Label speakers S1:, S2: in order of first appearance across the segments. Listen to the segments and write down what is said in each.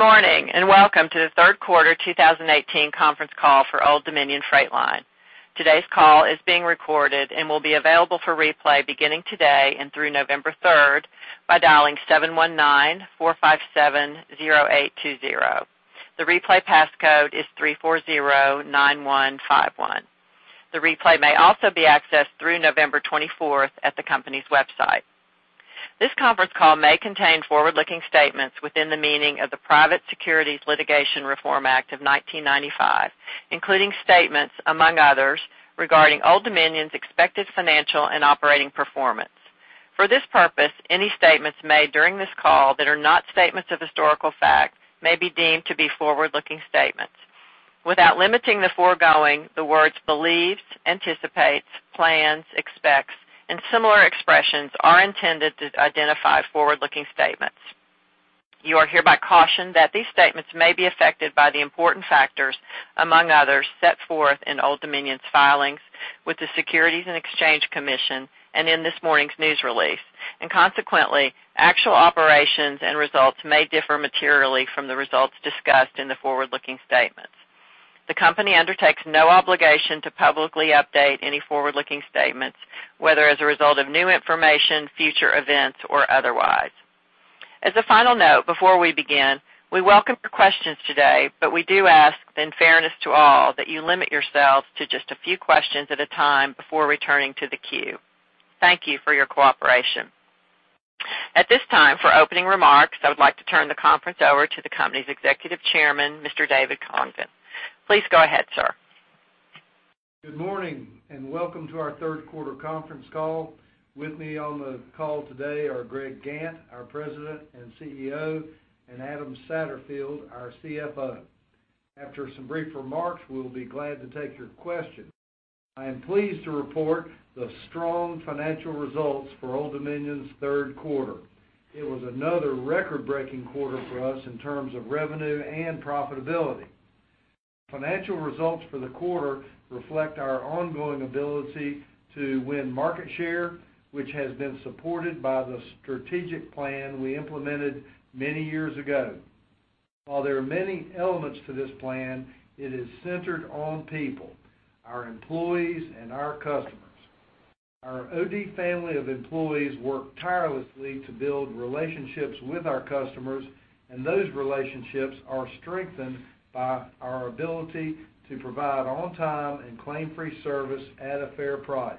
S1: Good morning, and welcome to the third quarter 2018 conference call for Old Dominion Freight Line. Today's call is being recorded and will be available for replay beginning today and through November 3rd by dialing 719-457-0820. The replay passcode is 3409151. The replay may also be accessed through November 24th at the company's website. This conference call may contain forward-looking statements within the meaning of the Private Securities Litigation Reform Act of 1995, including statements, among others, regarding Old Dominion's expected financial and operating performance. For this purpose, any statements made during this call that are not statements of historical fact may be deemed to be forward-looking statements. Without limiting the foregoing, the words believes, anticipates, plans, expects, and similar expressions are intended to identify forward-looking statements. You are hereby cautioned that these statements may be affected by the important factors, among others, set forth in Old Dominion's filings with the Securities and Exchange Commission and in this morning's news release. Consequently, actual operations and results may differ materially from the results discussed in the forward-looking statements. The company undertakes no obligation to publicly update any forward-looking statements, whether as a result of new information, future events, or otherwise. As a final note, before we begin, we welcome your questions today, but we do ask, in fairness to all, that you limit yourselves to just a few questions at a time before returning to the queue. Thank you for your cooperation. At this time, for opening remarks, I would like to turn the conference over to the company's Executive Chairman, Mr. David Congdon. Please go ahead, sir.
S2: Good morning, and welcome to our third quarter conference call. With me on the call today are Greg Gantt, our President and CEO, and Adam Satterfield, our CFO. After some brief remarks, we'll be glad to take your questions. I am pleased to report the strong financial results for Old Dominion's third quarter. It was another record-breaking quarter for us in terms of revenue and profitability. Financial results for the quarter reflect our ongoing ability to win market share, which has been supported by the strategic plan we implemented many years ago. While there are many elements to this plan, it is centered on people, our employees, and our customers. Our OD family of employees work tirelessly to build relationships with our customers, and those relationships are strengthened by our ability to provide on-time and claim-free service at a fair price.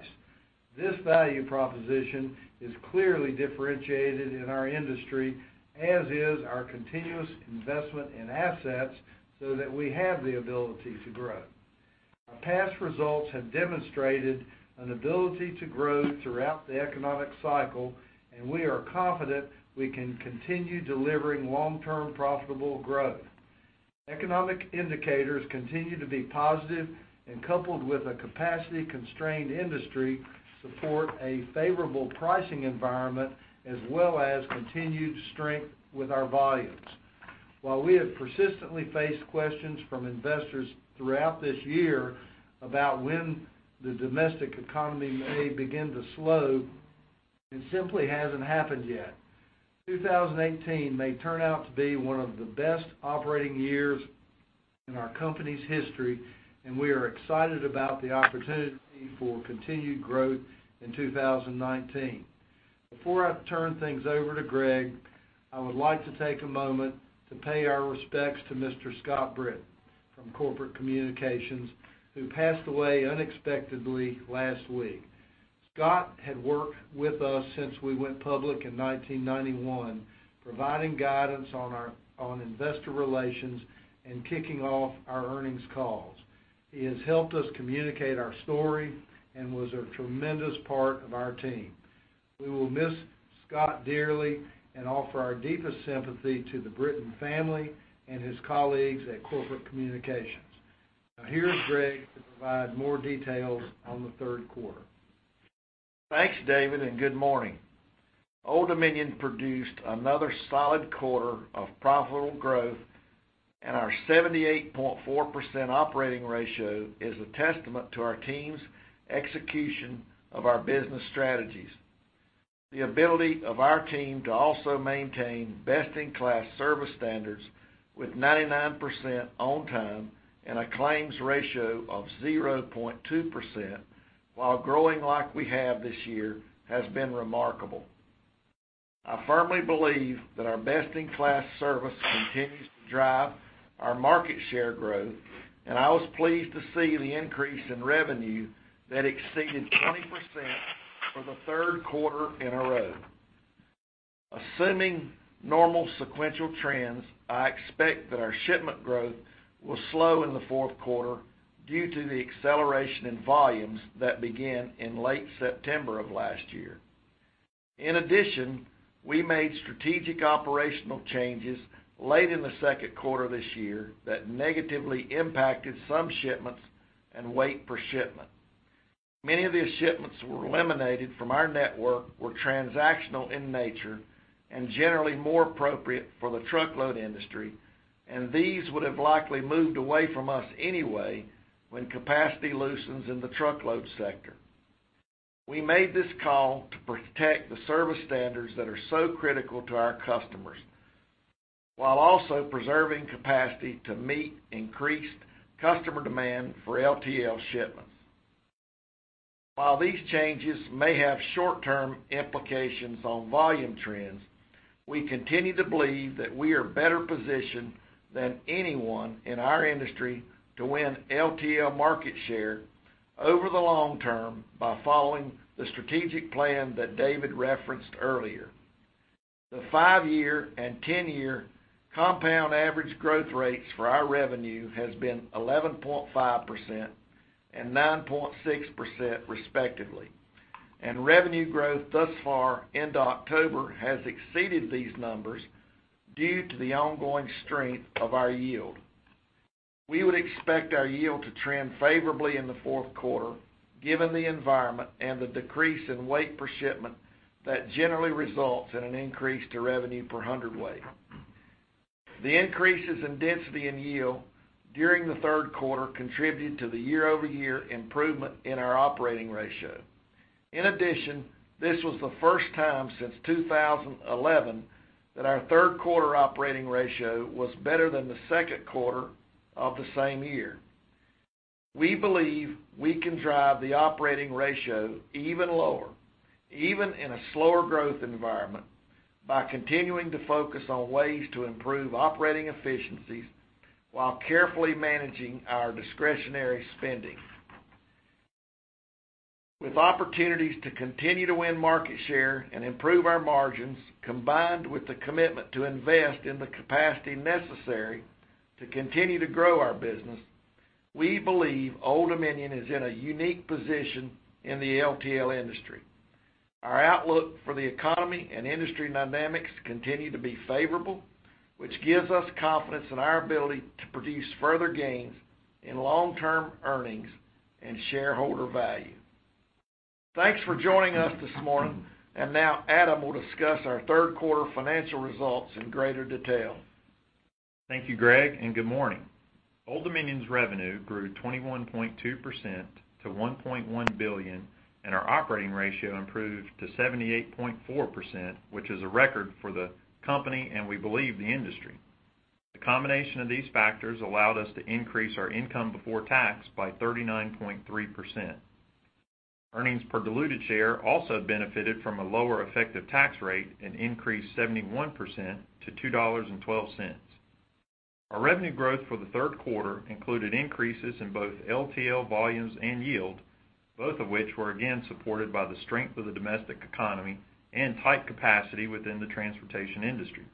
S2: This value proposition is clearly differentiated in our industry, as is our continuous investment in assets so that we have the ability to grow. Our past results have demonstrated an ability to grow throughout the economic cycle, and we are confident we can continue delivering long-term profitable growth. Economic indicators continue to be positive and, coupled with a capacity-constrained industry, support a favorable pricing environment as well as continued strength with our volumes. While we have persistently faced questions from investors throughout this year about when the domestic economy may begin to slow, it simply hasn't happened yet. 2018 may turn out to be one of the best operating years in our company's history, and we are excited about the opportunity for continued growth in 2019. Before I turn things over to Greg, I would like to take a moment to pay our respects to Mr. Scott Britton from Corporate Communications, who passed away unexpectedly last week. Scott had worked with us since we went public in 1991, providing guidance on investor relations and kicking off our earnings calls. He has helped us communicate our story and was a tremendous part of our team. We will miss Scott dearly and offer our deepest sympathy to the Britton family and his colleagues at Corporate Communications. Now, here's Greg to provide more details on the third quarter.
S3: Thanks, David, and good morning. Old Dominion produced another solid quarter of profitable growth, and our 78.4% operating ratio is a testament to our team's execution of our business strategies. The ability of our team to also maintain best-in-class service standards with 99% on time and a claims ratio of 0.2% while growing like we have this year has been remarkable. I firmly believe that our best-in-class service continues to drive our market share growth, and I was pleased to see the increase in revenue that exceeded 20% for the third quarter in a row. Assuming normal sequential trends, I expect that our shipment growth will slow in the fourth quarter due to the acceleration in volumes that began in late September of last year. In addition, we made strategic operational changes late in the second quarter this year that negatively impacted some shipments and weight per shipment. Many of these shipments that were eliminated from our network were transactional in nature and generally more appropriate for the truckload industry, and these would have likely moved away from us anyway when capacity loosens in the truckload sector. We made this call to protect the service standards that are so critical to our customers, while also preserving capacity to meet increased customer demand for LTL shipments. While these changes may have short-term implications on volume trends, we continue to believe that we are better positioned than anyone in our industry to win LTL market share over the long term by following the strategic plan that David referenced earlier. The five-year and 10-year compound average growth rates for our revenue has been 11.5% and 9.6% respectively, and revenue growth thus far into October has exceeded these numbers due to the ongoing strength of our yield. We would expect our yield to trend favorably in the fourth quarter, given the environment and the decrease in weight per shipment that generally results in an increase to revenue per hundredweight. The increases in density and yield during the third quarter contributed to the year-over-year improvement in our operating ratio. In addition, this was the first time since 2011 that our third quarter operating ratio was better than the second quarter of the same year. We believe we can drive the operating ratio even lower, even in a slower growth environment, by continuing to focus on ways to improve operating efficiencies while carefully managing our discretionary spending. With opportunities to continue to win market share and improve our margins, combined with the commitment to invest in the capacity necessary to continue to grow our business, we believe Old Dominion is in a unique position in the LTL industry. Our outlook for the economy and industry dynamics continue to be favorable, which gives us confidence in our ability to produce further gains in long-term earnings and shareholder value. Thanks for joining us this morning, now Adam will discuss our third quarter financial results in greater detail.
S4: Thank you, Greg, and good morning. Old Dominion's revenue grew 21.2% to $1.1 billion, our operating ratio improved to 78.4%, which is a record for the company, and we believe, the industry. The combination of these factors allowed us to increase our income before tax by 39.3%. Earnings per diluted share also benefited from a lower effective tax rate and increased 71% to $2.12. Our revenue growth for the third quarter included increases in both LTL volumes and yield, both of which were again supported by the strength of the domestic economy and tight capacity within the transportation industry.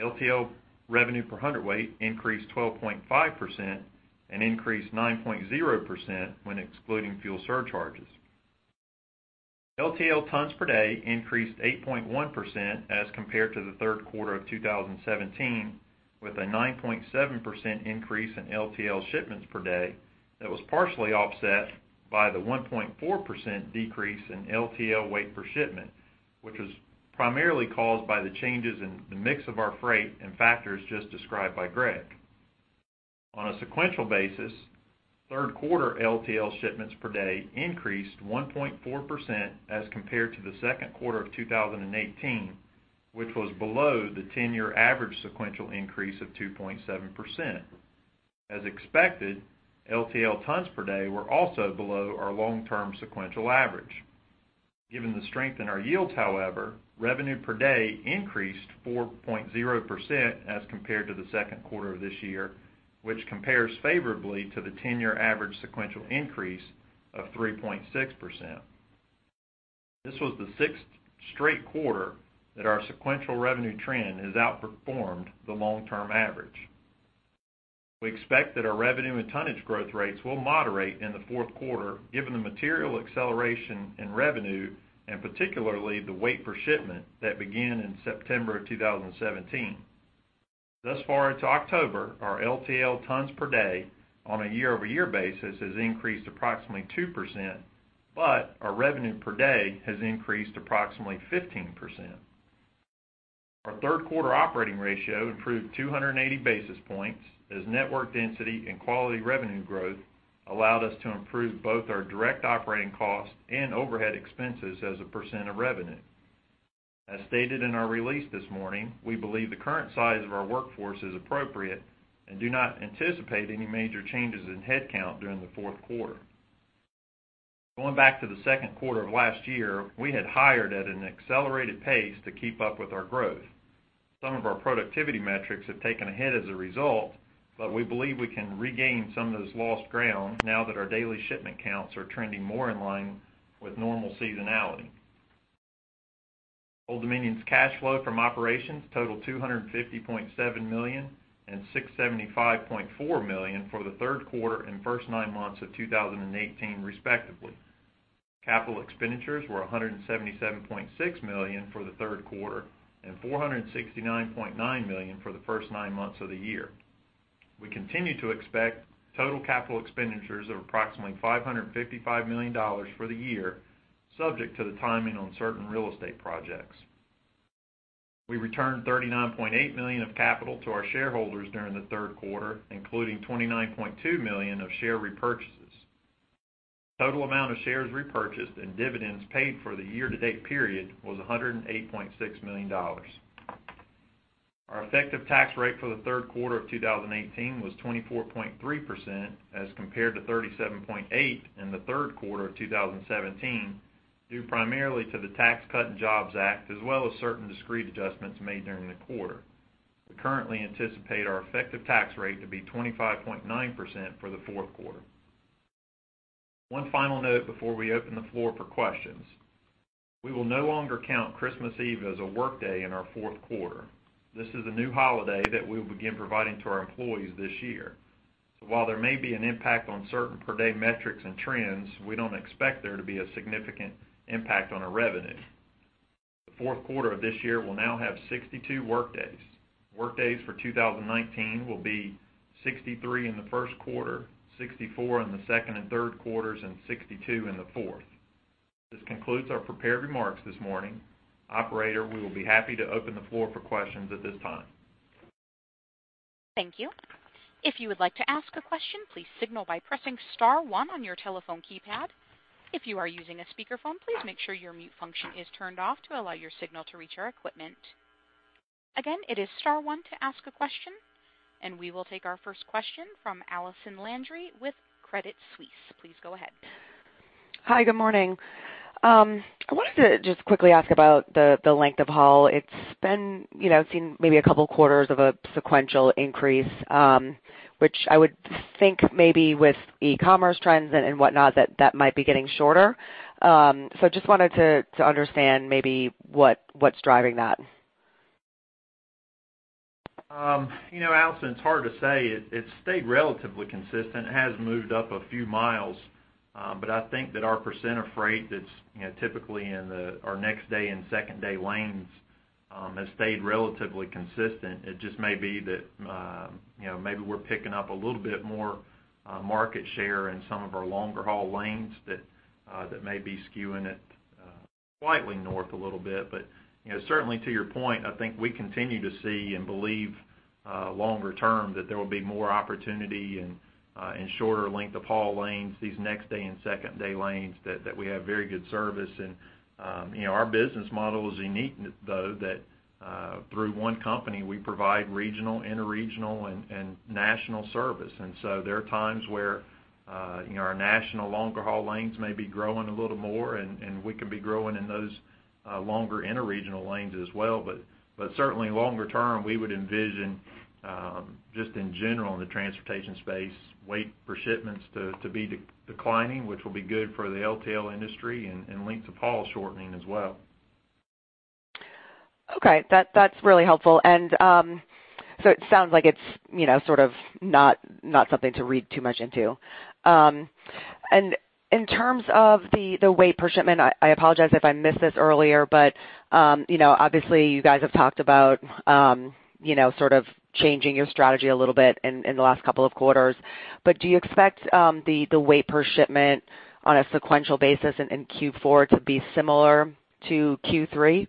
S4: LTL revenue per hundredweight increased 12.5% and increased 9.0% when excluding fuel surcharges. LTL tons per day increased 8.1% as compared to the third quarter of 2017, with a 9.7% increase in LTL shipments per day that was partially offset by the 1.4% decrease in LTL weight per shipment, which was primarily caused by the changes in the mix of our freight and factors just described by Greg. On a sequential basis, third quarter LTL shipments per day increased 1.4% as compared to the second quarter of 2018, which was below the 10-year average sequential increase of 2.7%. As expected, LTL tons per day were also below our long-term sequential average. Given the strength in our yields, however, revenue per day increased 4.0% as compared to the second quarter of this year, which compares favorably to the 10-year average sequential increase of 3.6%. This was the sixth straight quarter that our sequential revenue trend has outperformed the long-term average. We expect that our revenue and tonnage growth rates will moderate in the fourth quarter, given the material acceleration in revenue, and particularly the weight per shipment that began in September of 2017. Thus far into October, our LTL tons per day on a year-over-year basis has increased approximately 2%, but our revenue per day has increased approximately 15%. Our third quarter operating ratio improved 280 basis points as network density and quality revenue growth allowed us to improve both our direct operating costs and overhead expenses as a percent of revenue. As stated in our release this morning, we believe the current size of our workforce is appropriate and do not anticipate any major changes in headcount during the fourth quarter. Going back to the second quarter of last year, we had hired at an accelerated pace to keep up with our growth. Some of our productivity metrics have taken a hit as a result. We believe we can regain some of this lost ground now that our daily shipment counts are trending more in line with normal seasonality. Old Dominion's cash flow from operations totaled $250.7 million and $675.4 million for the third quarter and first nine months of 2018, respectively. Capital expenditures were $177.6 million for the third quarter and $469.9 million for the first nine months of the year. We continue to expect total capital expenditures of approximately $555 million for the year, subject to the timing on certain real estate projects. We returned $39.8 million of capital to our shareholders during the third quarter, including $29.2 million of share repurchases. Total amount of shares repurchased and dividends paid for the year-to-date period was $108.6 million. Our effective tax rate for the third quarter of 2018 was 24.3% as compared to 37.8% in the third quarter of 2017, due primarily to the Tax Cuts and Jobs Act, as well as certain discrete adjustments made during the quarter. We currently anticipate our effective tax rate to be 25.9% for the fourth quarter. One final note before we open the floor for questions. We will no longer count Christmas Eve as a workday in our fourth quarter. This is a new holiday that we will begin providing to our employees this year. While there may be an impact on certain per-day metrics and trends, we don't expect there to be a significant impact on our revenue. The fourth quarter of this year will now have 62 workdays. Workdays for 2019 will be 63 in the first quarter, 64 in the second and third quarters, and 62 in the fourth. This concludes our prepared remarks this morning. Operator, we will be happy to open the floor for questions at this time.
S1: Thank you. If you would like to ask a question, please signal by pressing star one on your telephone keypad. If you are using a speakerphone, please make sure your mute function is turned off to allow your signal to reach our equipment. Again, it is star one to ask a question, and we will take our first question from Allison Landry with Credit Suisse. Please go ahead.
S5: Hi. Good morning. I wanted to just quickly ask about the length of haul. It's seen maybe a couple quarters of a sequential increase, which I would think maybe with e-commerce trends and whatnot, that that might be getting shorter. Just wanted to understand maybe what's driving that.
S4: Allison, it's hard to say. It's stayed relatively consistent. It has moved up a few miles. I think that our % of freight that's typically in our next-day and second-day lanes has stayed relatively consistent. It just may be that maybe we're picking up a little bit more market share in some of our longer haul lanes that may be skewing it slightly north a little bit. Certainly to your point, I think we continue to see and believe longer term that there will be more opportunity in shorter length of haul lanes, these next-day and second-day lanes that we have very good service in. Our business model is unique, though, that through one company, we provide regional, interregional, and national service. There are times where our national longer haul lanes may be growing a little more, and we could be growing in those longer interregional lanes as well. Certainly longer term, we would envision, just in general in the transportation space, weight per shipments to be declining, which will be good for the LTL industry, and length of haul shortening as well.
S5: Okay. That's really helpful. It sounds like it's sort of not something to read too much into. In terms of the weight per shipment, I apologize if I missed this earlier, obviously you guys have talked about sort of changing your strategy a little bit in the last couple of quarters. Do you expect the weight per shipment on a sequential basis in Q4 to be similar to Q3,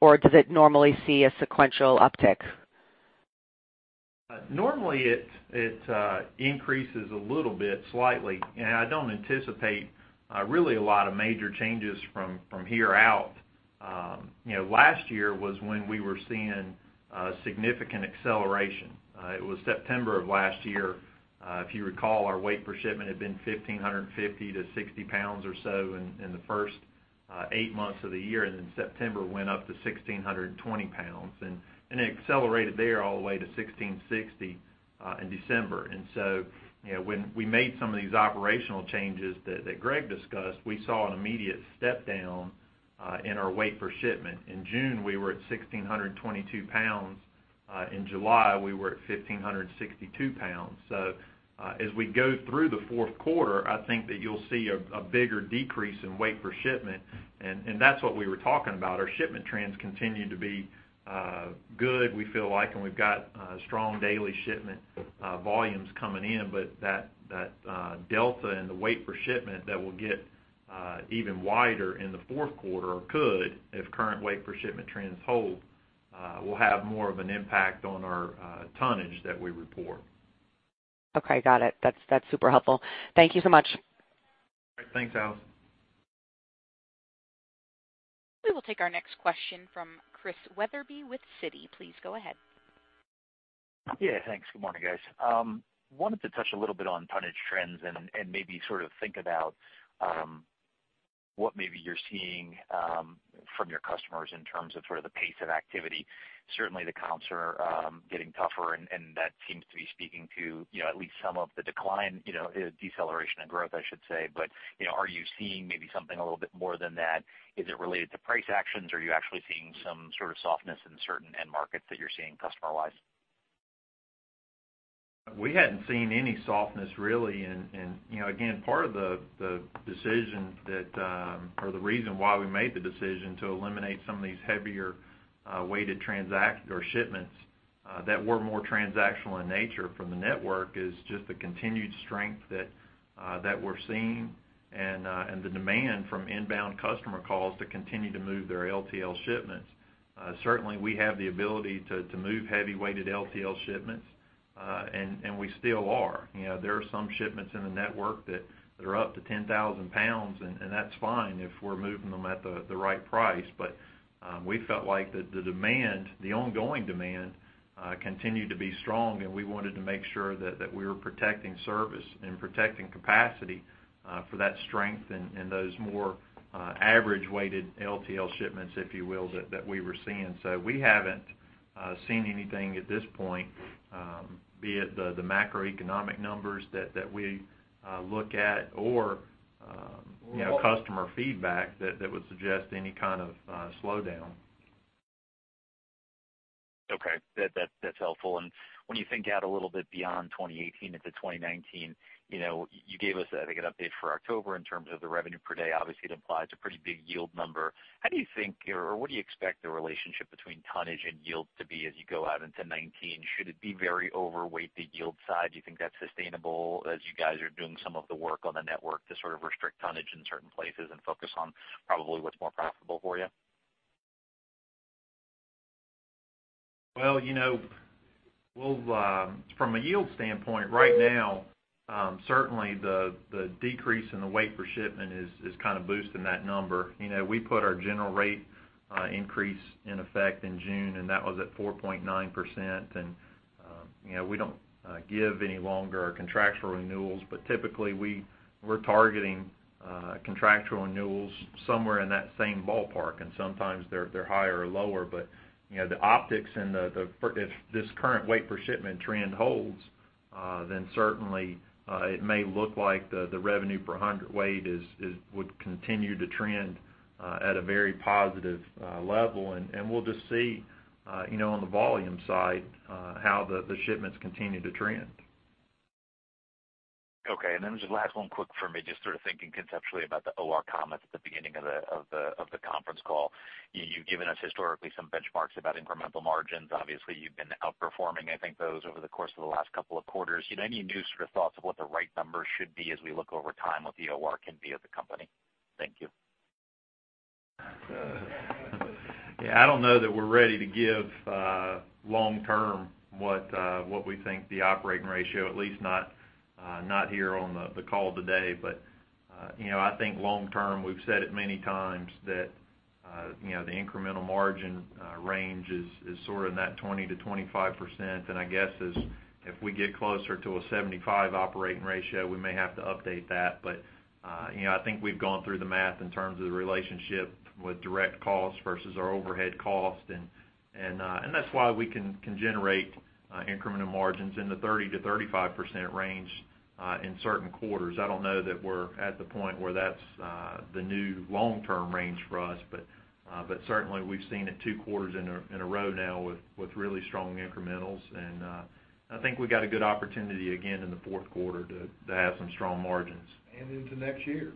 S5: or does it normally see a sequential uptick?
S4: Normally, it increases a little bit, slightly. I don't anticipate really a lot of major changes from here out. Last year was when we were seeing significant acceleration. It was September of last year. If you recall, our weight per shipment had been 1,550-1,560 pounds or so in the first eight months of the year, then September went up to 1,620 pounds. It accelerated there all the way to 1,660 in December. When we made some of these operational changes that Greg discussed, we saw an immediate step down in our weight per shipment. In June, we were at 1,622 pounds. In July, we were at 1,562 pounds. As we go through the fourth quarter, I think that you'll see a bigger decrease in weight per shipment, and that's what we were talking about. Our shipment trends continue to be good, we feel like, we've got strong daily shipment volumes coming in. That delta in the weight per shipment that will get even wider in the fourth quarter, or could, if current weight per shipment trends hold, will have more of an impact on our tonnage that we report.
S5: Okay. Got it. That's super helpful. Thank you so much.
S4: All right. Thanks, Allison.
S1: We will take our next question from Chris Wetherbee with Citi. Please go ahead.
S6: Yeah, thanks. Good morning, guys. I wanted to touch a little bit on tonnage trends and maybe sort of think about what maybe you're seeing from your customers in terms of sort of the pace of activity. Certainly, the comps are getting tougher, and that seems to be speaking to at least some of the decline, deceleration in growth, I should say. Are you seeing maybe something a little bit more than that? Is it related to price actions? Are you actually seeing some sort of softness in certain end markets that you're seeing customer-wise?
S4: We hadn't seen any softness, really. Again, part of the decision or the reason why we made the decision to eliminate some of these heavier weighted shipments that were more transactional in nature from the network is just the continued strength that we're seeing and the demand from inbound customer calls to continue to move their LTL shipments. Certainly, we have the ability to move heavy-weighted LTL shipments, and we still are. There are some shipments in the network that are up to 10,000 pounds, and that's fine if we're moving them at the right price. We felt like the demand, the ongoing demand, continued to be strong, and we wanted to make sure that we were protecting service and protecting capacity for that strength and those more average-weighted LTL shipments, if you will, that we were seeing. We haven't seen anything at this point, be it the macroeconomic numbers that we look at or customer feedback that would suggest any kind of slowdown.
S6: Okay. That's helpful. When you think out a little bit beyond 2018 into 2019, you gave us, I think, an update for October in terms of the revenue per day. Obviously, it implies a pretty big yield number. How do you think, or what do you expect the relationship between tonnage and yield to be as you go out into 2019? Should it be very overweight, the yield side? Do you think that's sustainable as you guys are doing some of the work on the network to sort of restrict tonnage in certain places and focus on probably what's more profitable for you?
S4: Well, from a yield standpoint right now, certainly the decrease in the weight per shipment is kind of boosting that number. We put our GRI in effect in June, and that was at 4.9%. We don't give any longer our contractual renewals, but typically, we're targeting contractual renewals somewhere in that same ballpark, and sometimes they're higher or lower. The optics and if this current weight per shipment trend holds, then certainly it may look like the revenue per hundredweight would continue to trend at a very positive level. We'll just see on the volume side how the shipments continue to trend.
S6: Okay. Just last one quick for me, just sort of thinking conceptually about the OR comments at the beginning of the conference call. You've given us historically some benchmarks about incremental margins. Obviously, you've been outperforming, I think, those over the course of the last couple of quarters. Any new sort of thoughts of what the right number should be as we look over time what the OR can be at the company? Thank you.
S4: Yeah, I don't know that we're ready to give long term what we think the OR, at least not here on the call today. I think long term, we've said it many times that the incremental margin range is sort of in that 20%-25%. I guess as if we get closer to a 75 OR, we may have to update that. I think we've gone through the math in terms of the relationship with direct cost versus our overhead cost, and that's why we can generate incremental margins in the 30%-35% range in certain quarters. I don't know that we're at the point where that's the new long-term range for us. Certainly, we've seen it two quarters in a row now with really strong incrementals. I think we've got a good opportunity again in the fourth quarter to have some strong margins.
S3: Into next year.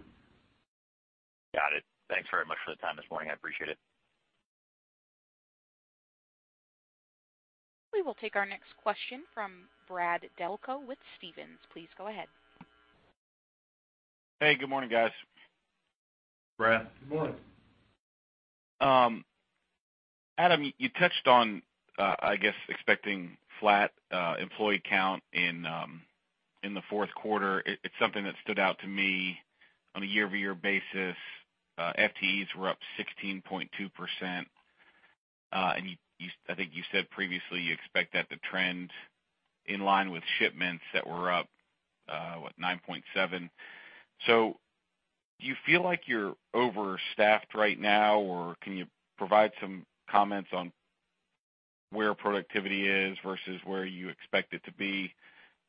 S6: Got it. Thanks very much for the time this morning. I appreciate it.
S1: We will take our next question from Brad Delco with Stephens. Please go ahead.
S7: Hey, good morning, guys.
S4: Brad.
S3: Good morning.
S7: Adam, you touched on, I guess, expecting flat employee count in the fourth quarter. It's something that stood out to me on a year-over-year basis. FTEs were up 16.2%. I think you said previously you expect that to trend in line with shipments that were up, what, 9.7? Do you feel like you're overstaffed right now, or can you provide some comments on where productivity is versus where you expect it to be?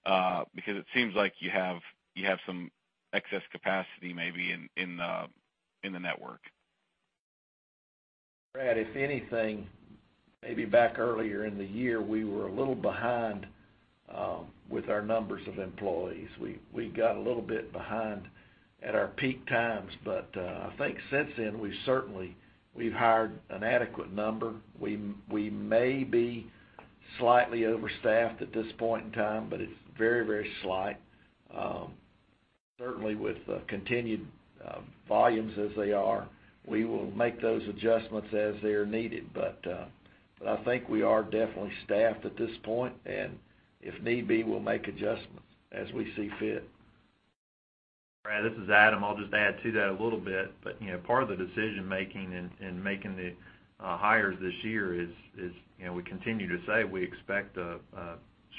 S7: Because it seems like you have some excess capacity maybe in the network.
S3: Brad, if anything, maybe back earlier in the year, we were a little behind with our numbers of employees. We got a little bit behind at our peak times. I think since then, we've hired an adequate number. We may be slightly overstaffed at this point in time, but it's very, very slight. Certainly with continued volumes as they are, we will make those adjustments as they are needed. I think we are definitely staffed at this point, and if need be, we'll make adjustments as we see fit.
S4: Brad, this is Adam. I'll just add to that a little bit. Part of the decision-making in making the hires this year is we continue to say we expect a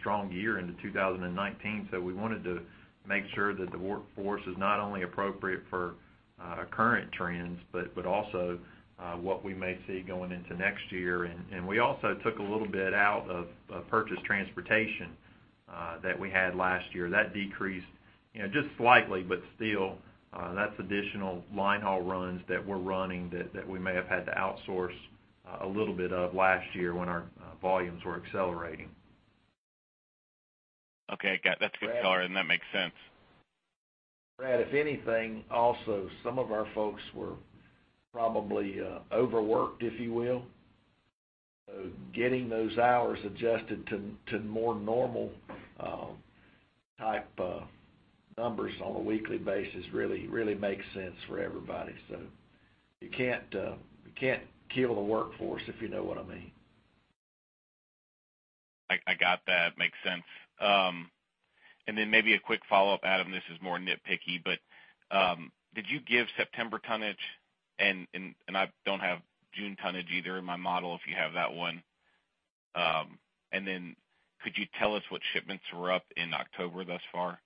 S4: strong year into 2019. We wanted to make sure that the workforce is not only appropriate for current trends but also what we may see going into next year. We also took a little bit out of purchased transportation that we had last year. That decreased just slightly, but still, that's additional line haul runs that we're running that we may have had to outsource a little bit of last year when our volumes were accelerating.
S7: Okay. Got it. That's a good color, and that makes sense.
S3: Brad, if anything, also, some of our folks were probably overworked, if you will. Getting those hours adjusted to more normal type of numbers on a weekly basis really makes sense for everybody. You can't kill the workforce, if you know what I mean.
S7: I got that. Makes sense. Maybe a quick follow-up, Adam, this is more nitpicky, did you give September tonnage? I don't have June tonnage either in my model, if you have that one. Could you tell us what shipments were up in October thus far?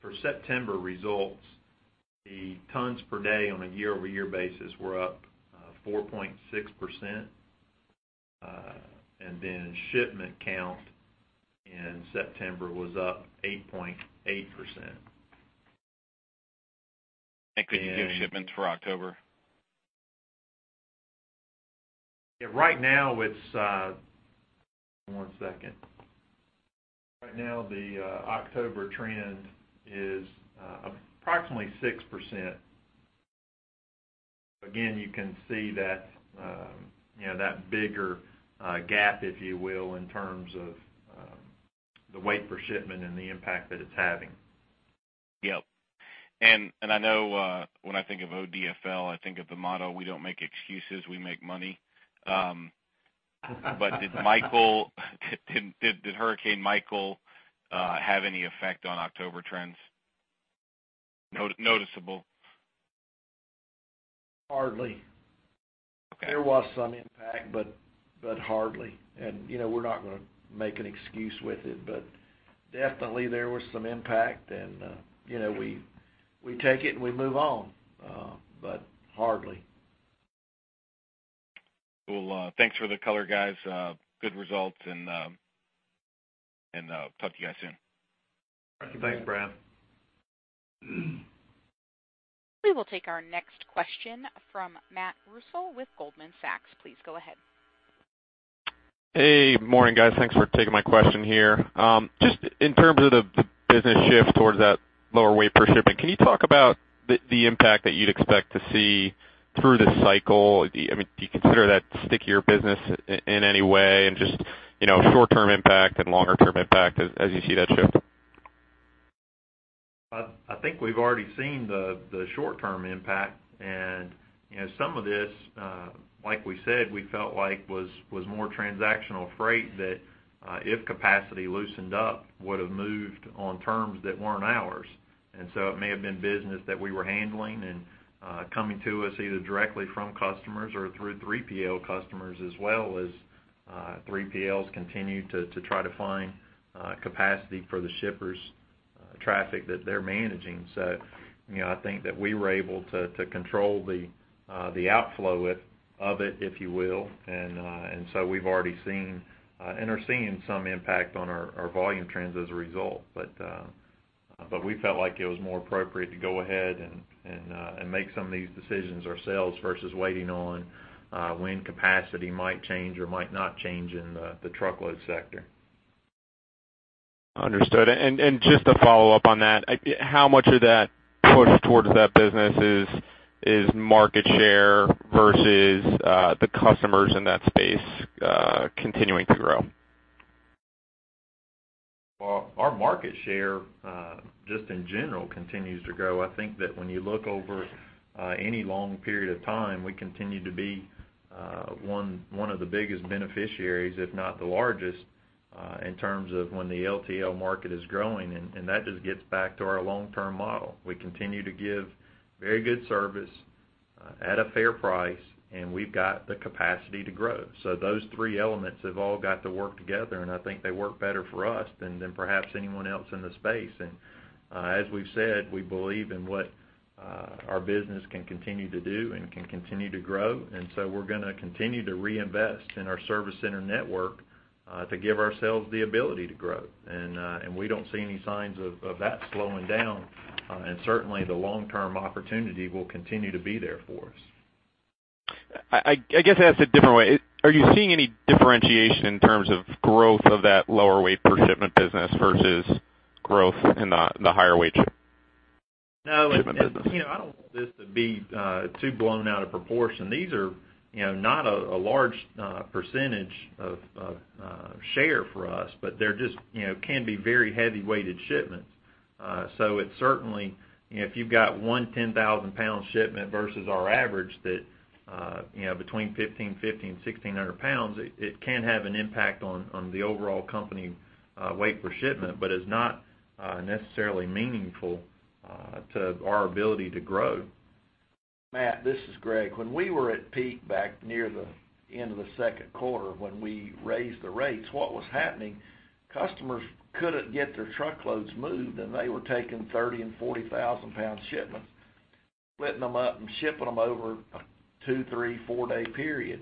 S4: For September results, the tons per day on a year-over-year basis were up 4.6%. Shipment count in September was up 8.8%.
S7: Could you give shipments for October?
S4: Yeah, right now it's One second. Right now the October trend is approximately 6%. Again, you can see that bigger gap, if you will, in terms of the weight per shipment and the impact that it's having.
S7: Yep. I know when I think of ODFL, I think of the motto, "We don't make excuses, we make money." Did Hurricane Michael have any effect on October trends? Noticeable?
S3: Hardly.
S7: Okay.
S3: There was some impact, but hardly. We're not going to make an excuse with it. Definitely, there was some impact and we take it and we move on. Hardly.
S7: Cool. Thanks for the color, guys. Good results. Talk to you guys soon.
S4: Thanks.
S3: Thanks, Brad.
S1: We will take our next question from Matthew Reustle with Goldman Sachs. Please go ahead.
S8: Hey. Morning, guys. Thanks for taking my question here. Just in terms of the business shift towards that lower weight per shipment, can you talk about the impact that you'd expect to see through this cycle? I mean, do you consider that stickier business in any way and just short-term impact and longer-term impact as you see that shift?
S4: I think we've already seen the short-term impact. Some of this, like we said, we felt like was more transactional freight that if capacity loosened up, would've moved on terms that weren't ours. It may have been business that we were handling and coming to us either directly from customers or through 3PL customers as well as 3PLs continue to try to find capacity for the shippers traffic that they're managing. I think that we were able to control the outflow of it, if you will. We've already seen and are seeing some impact on our volume trends as a result. We felt like it was more appropriate to go ahead and make some of these decisions ourselves versus waiting on when capacity might change or might not change in the truckload sector.
S8: Understood. Just to follow up on that, how much of that push towards that business is market share versus the customers in that space continuing to grow?
S4: Well, our market share, just in general, continues to grow. I think that when you look over any long period of time, we continue to be one of the biggest beneficiaries, if not the largest, in terms of when the LTL market is growing, and that just gets back to our long-term model. We continue to give very good service at a fair price, and we've got the capacity to grow. Those three elements have all got to work together, and I think they work better for us than perhaps anyone else in the space. As we've said, we believe in what our business can continue to do and can continue to grow. We're going to continue to reinvest in our service center network to give ourselves the ability to grow. We don't see any signs of that slowing down. Certainly, the long-term opportunity will continue to be there for us.
S8: I guess I'll ask it a different way. Are you seeing any differentiation in terms of growth of that lower weight per shipment business versus growth in the higher weight shipment business?
S4: No. I don't want this to be too blown out of proportion. These are not a large % of share for us, but they just can be very heavy-weighted shipments. It certainly, if you've got one 10,000-pound shipment versus our average that between 1,550 and 1,600 pounds, it can have an impact on the overall company weight per shipment, but is not necessarily meaningful to our ability to grow.
S3: Matt, this is Greg. When we were at peak back near the end of the second quarter when we raised the rates, what was happening, customers couldn't get their truckloads moved, and they were taking 30,000 and 40,000-pound shipments, splitting them up and shipping them over a two, three, four-day period.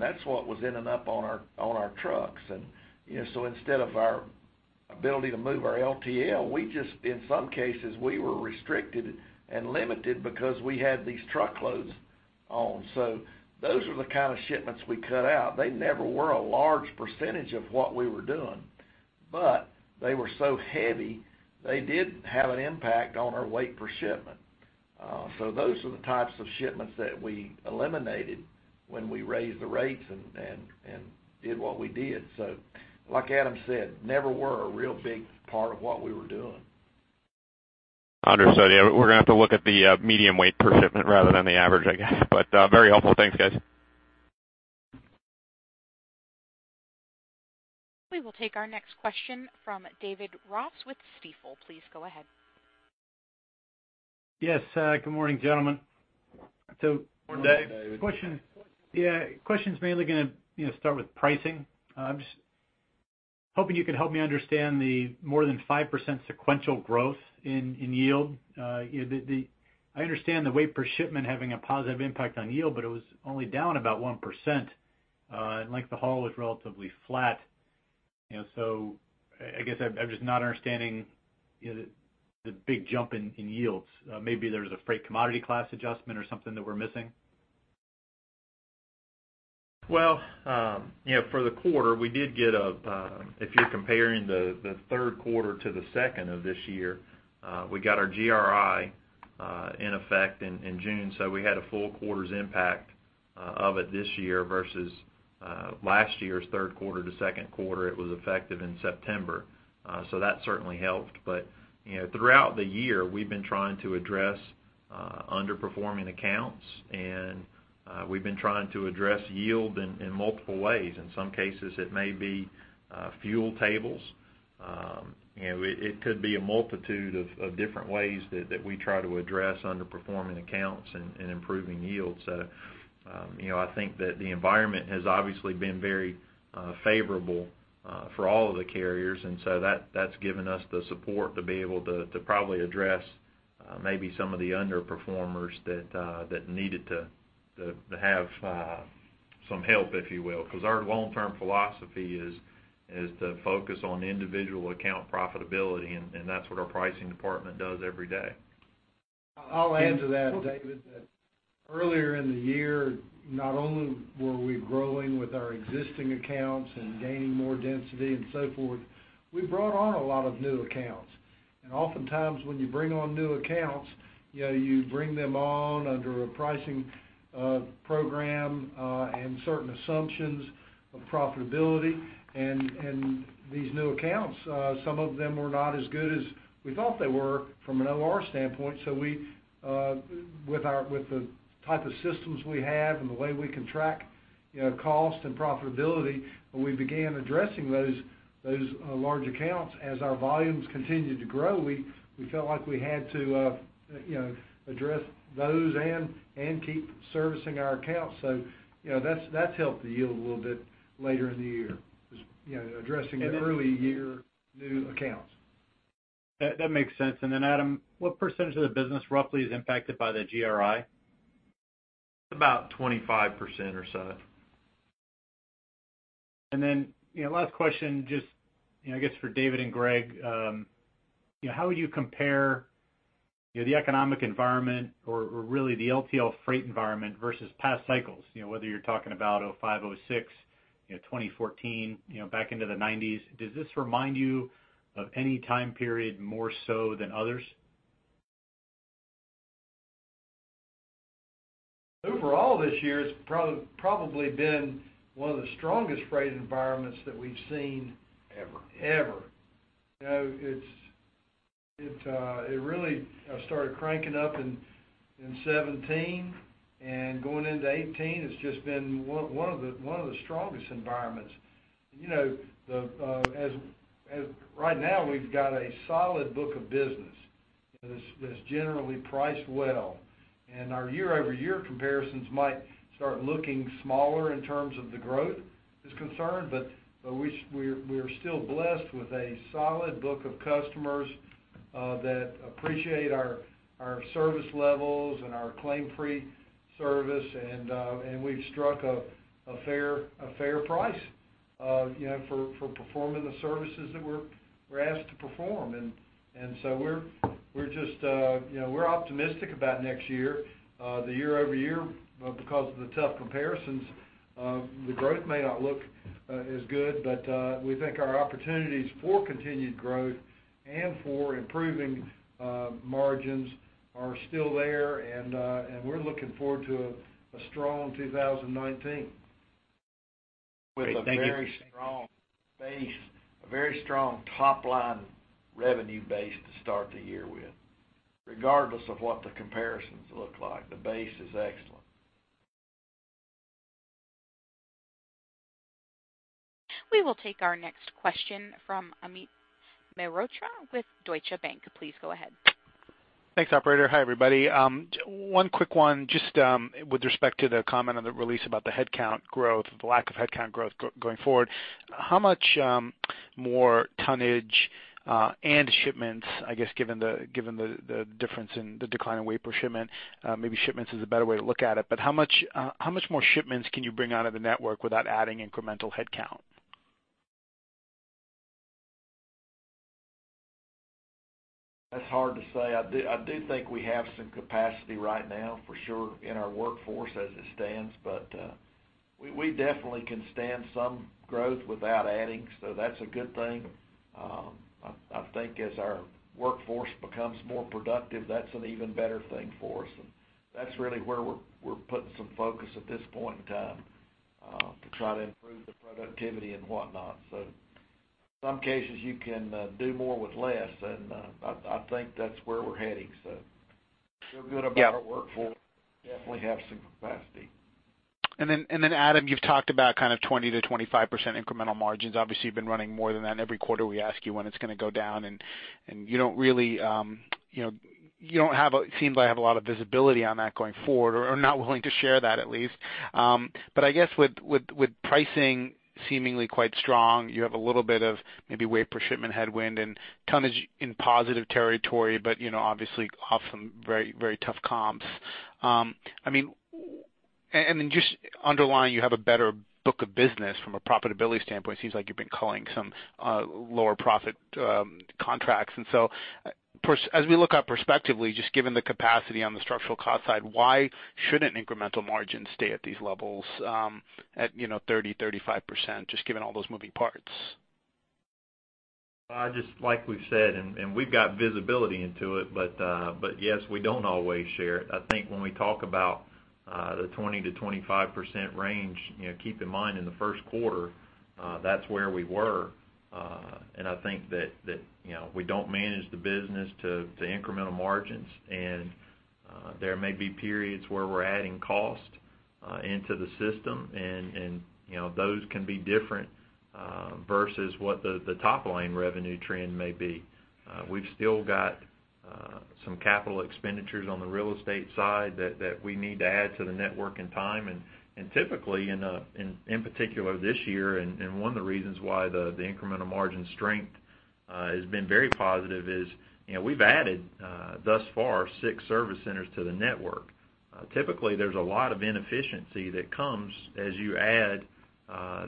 S3: That's what was ending up on our trucks. Instead of our Ability to move our LTL. In some cases, we were restricted and limited because we had these truckloads on. Those were the kind of shipments we cut out. They never were a large percentage of what we were doing, but they were so heavy, they did have an impact on our weight per shipment. Those are the types of shipments that we eliminated when we raised the rates and did what we did. Like Adam said, never were a real big part of what we were doing.
S8: Understood. Yeah, we're going to have to look at the medium weight per shipment rather than the average, I guess, but very helpful. Thanks, guys.
S1: We will take our next question from David Ross with Stifel. Please go ahead.
S9: Yes. Good morning, gentlemen.
S2: Morning, David.
S9: Yeah, question's mainly going to start with pricing. I'm just hoping you could help me understand the more than 5% sequential growth in yield. I understand the weight per shipment having a positive impact on yield, but it was only down about 1%. Length of haul was relatively flat. I guess I'm just not understanding the big jump in yields. Maybe there's a freight commodity class adjustment or something that we're missing?
S4: Well, for the quarter, if you're comparing the third quarter to the second of this year, we got our GRI in effect in June, we had a full quarter's impact of it this year versus last year's third quarter to second quarter, it was effective in September. That certainly helped. Throughout the year, we've been trying to address underperforming accounts, and we've been trying to address yield in multiple ways. In some cases, it may be fuel tables. It could be a multitude of different ways that we try to address underperforming accounts and improving yields. I think that the environment has obviously been very favorable for all of the carriers, and so that's given us the support to be able to probably address maybe some of the underperformers that needed to have some help, if you will, because our long-term philosophy is to focus on individual account profitability, and that's what our pricing department does every day.
S2: I'll add to that, David. Earlier in the year, not only were we growing with our existing accounts and gaining more density and so forth, we brought on a lot of new accounts. Oftentimes, when you bring on new accounts, you bring them on under a pricing program, and certain assumptions of profitability. These new accounts, some of them were not as good as we thought they were from an OR standpoint. With the type 2 systems we have and the way we can track cost and profitability, when we began addressing those large accounts, as our volumes continued to grow, we felt like we had to address those and keep servicing our accounts. That's helped the yield a little bit later in the year because addressing the early year new accounts.
S9: That makes sense. Then Adam, what % of the business roughly is impacted by the GRI?
S4: About 25% or so.
S9: Last question, just I guess for David and Greg, how would you compare the economic environment or really the LTL freight environment versus past cycles? Whether you're talking about 2005, 2006, 2014, back into the 1990s. Does this remind you of any time period more so than others?
S2: Overall, this year has probably been one of the strongest freight environments that we've seen.
S4: Ever
S2: Ever. It really started cranking up in 2017 and going into 2018, it's just been one of the strongest environments. Right now we've got a solid book of business that's generally priced well. Our year-over-year comparisons might start looking smaller in terms of the growth is concerned, but we're still blessed with a solid book of customers that appreciate our service levels and our claim-free service and we've struck a fair price for performing the services that we're asked to perform. We're optimistic about next year. The year-over-year, because of the tough comparisons, the growth may not look as good but we think our opportunities for continued growth and for improving margins are still there and we're looking forward to a strong 2019.
S9: Great. Thank you.
S2: With a very strong base, a very strong top-line revenue base to start the year with, regardless of what the comparisons look like. The base is excellent.
S1: We will take our next question from Amit Mehrotra with Deutsche Bank. Please go ahead.
S10: Thanks, operator. Hi, everybody. One quick one just with respect to the comment on the release about the headcount growth, the lack of headcount growth going forward. How much more tonnage and shipments, I guess given the difference in the decline in weight per shipment, maybe shipments is a better way to look at it, but how much more shipments can you bring out of the network without adding incremental headcount?
S3: That's hard to say. I do think we have some capacity right now, for sure, in our workforce as it stands, but we definitely can stand some growth without adding, so that's a good thing. I think as our workforce becomes more productive, that's an even better thing for us. That's really where we're putting some focus at this point in time, to try to improve the productivity and whatnot. In some cases, you can do more with less, and I think that's where we're heading. Feel good about our workforce. Definitely have some capacity.
S10: Adam, you've talked about kind of 20%-25% incremental margins. Obviously, you've been running more than that. Every quarter we ask you when it's going to go down, and you don't really seem to have a lot of visibility on that going forward or are not willing to share that at least. I guess with pricing seemingly quite strong, you have a little bit of maybe weight per shipment headwind and tonnage in positive territory, but obviously, off some very tough comps. Then just underlying, you have a better book of business from a profitability standpoint. It seems like you've been culling some lower profit contracts. So, as we look out perspectively, just given the capacity on the structural cost side, why shouldn't incremental margins stay at these levels at 30%-35%, just given all those moving parts?
S4: Just like we've said, we've got visibility into it, yes, we don't always share it. I think when we talk about the 20%-25% range, keep in mind, in the first quarter, that's where we were. I think that we don't manage the business to incremental margins, and there may be periods where we're adding cost into the system and those can be different versus what the top-line revenue trend may be. We've still got some capital expenditures on the real estate side that we need to add to the network and time. Typically, in particular this year, and one of the reasons why the incremental margin strength has been very positive is we've added, thus far, six service centers to the network. Typically, there's a lot of inefficiency that comes as you add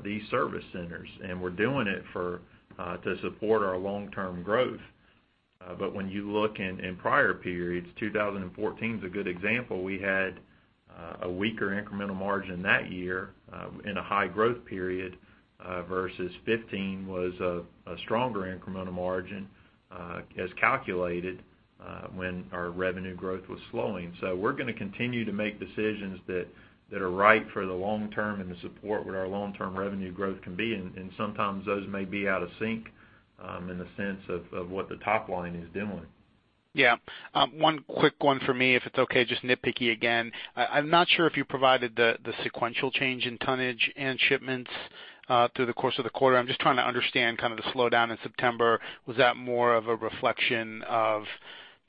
S4: these service centers, and we're doing it to support our long-term growth. When you look in prior periods, 2014 is a good example. We had a weaker incremental margin that year in a high-growth period versus 2015 was a stronger incremental margin as calculated when our revenue growth was slowing. We're going to continue to make decisions that are right for the long term and to support what our long-term revenue growth can be. Sometimes those may be out of sync in the sense of what the top line is doing.
S10: Yeah. One quick one for me, if it's okay, just nitpicky again. I'm not sure if you provided the sequential change in tonnage and shipments through the course of the quarter. I'm just trying to understand the slowdown in September. Was that more of a reflection of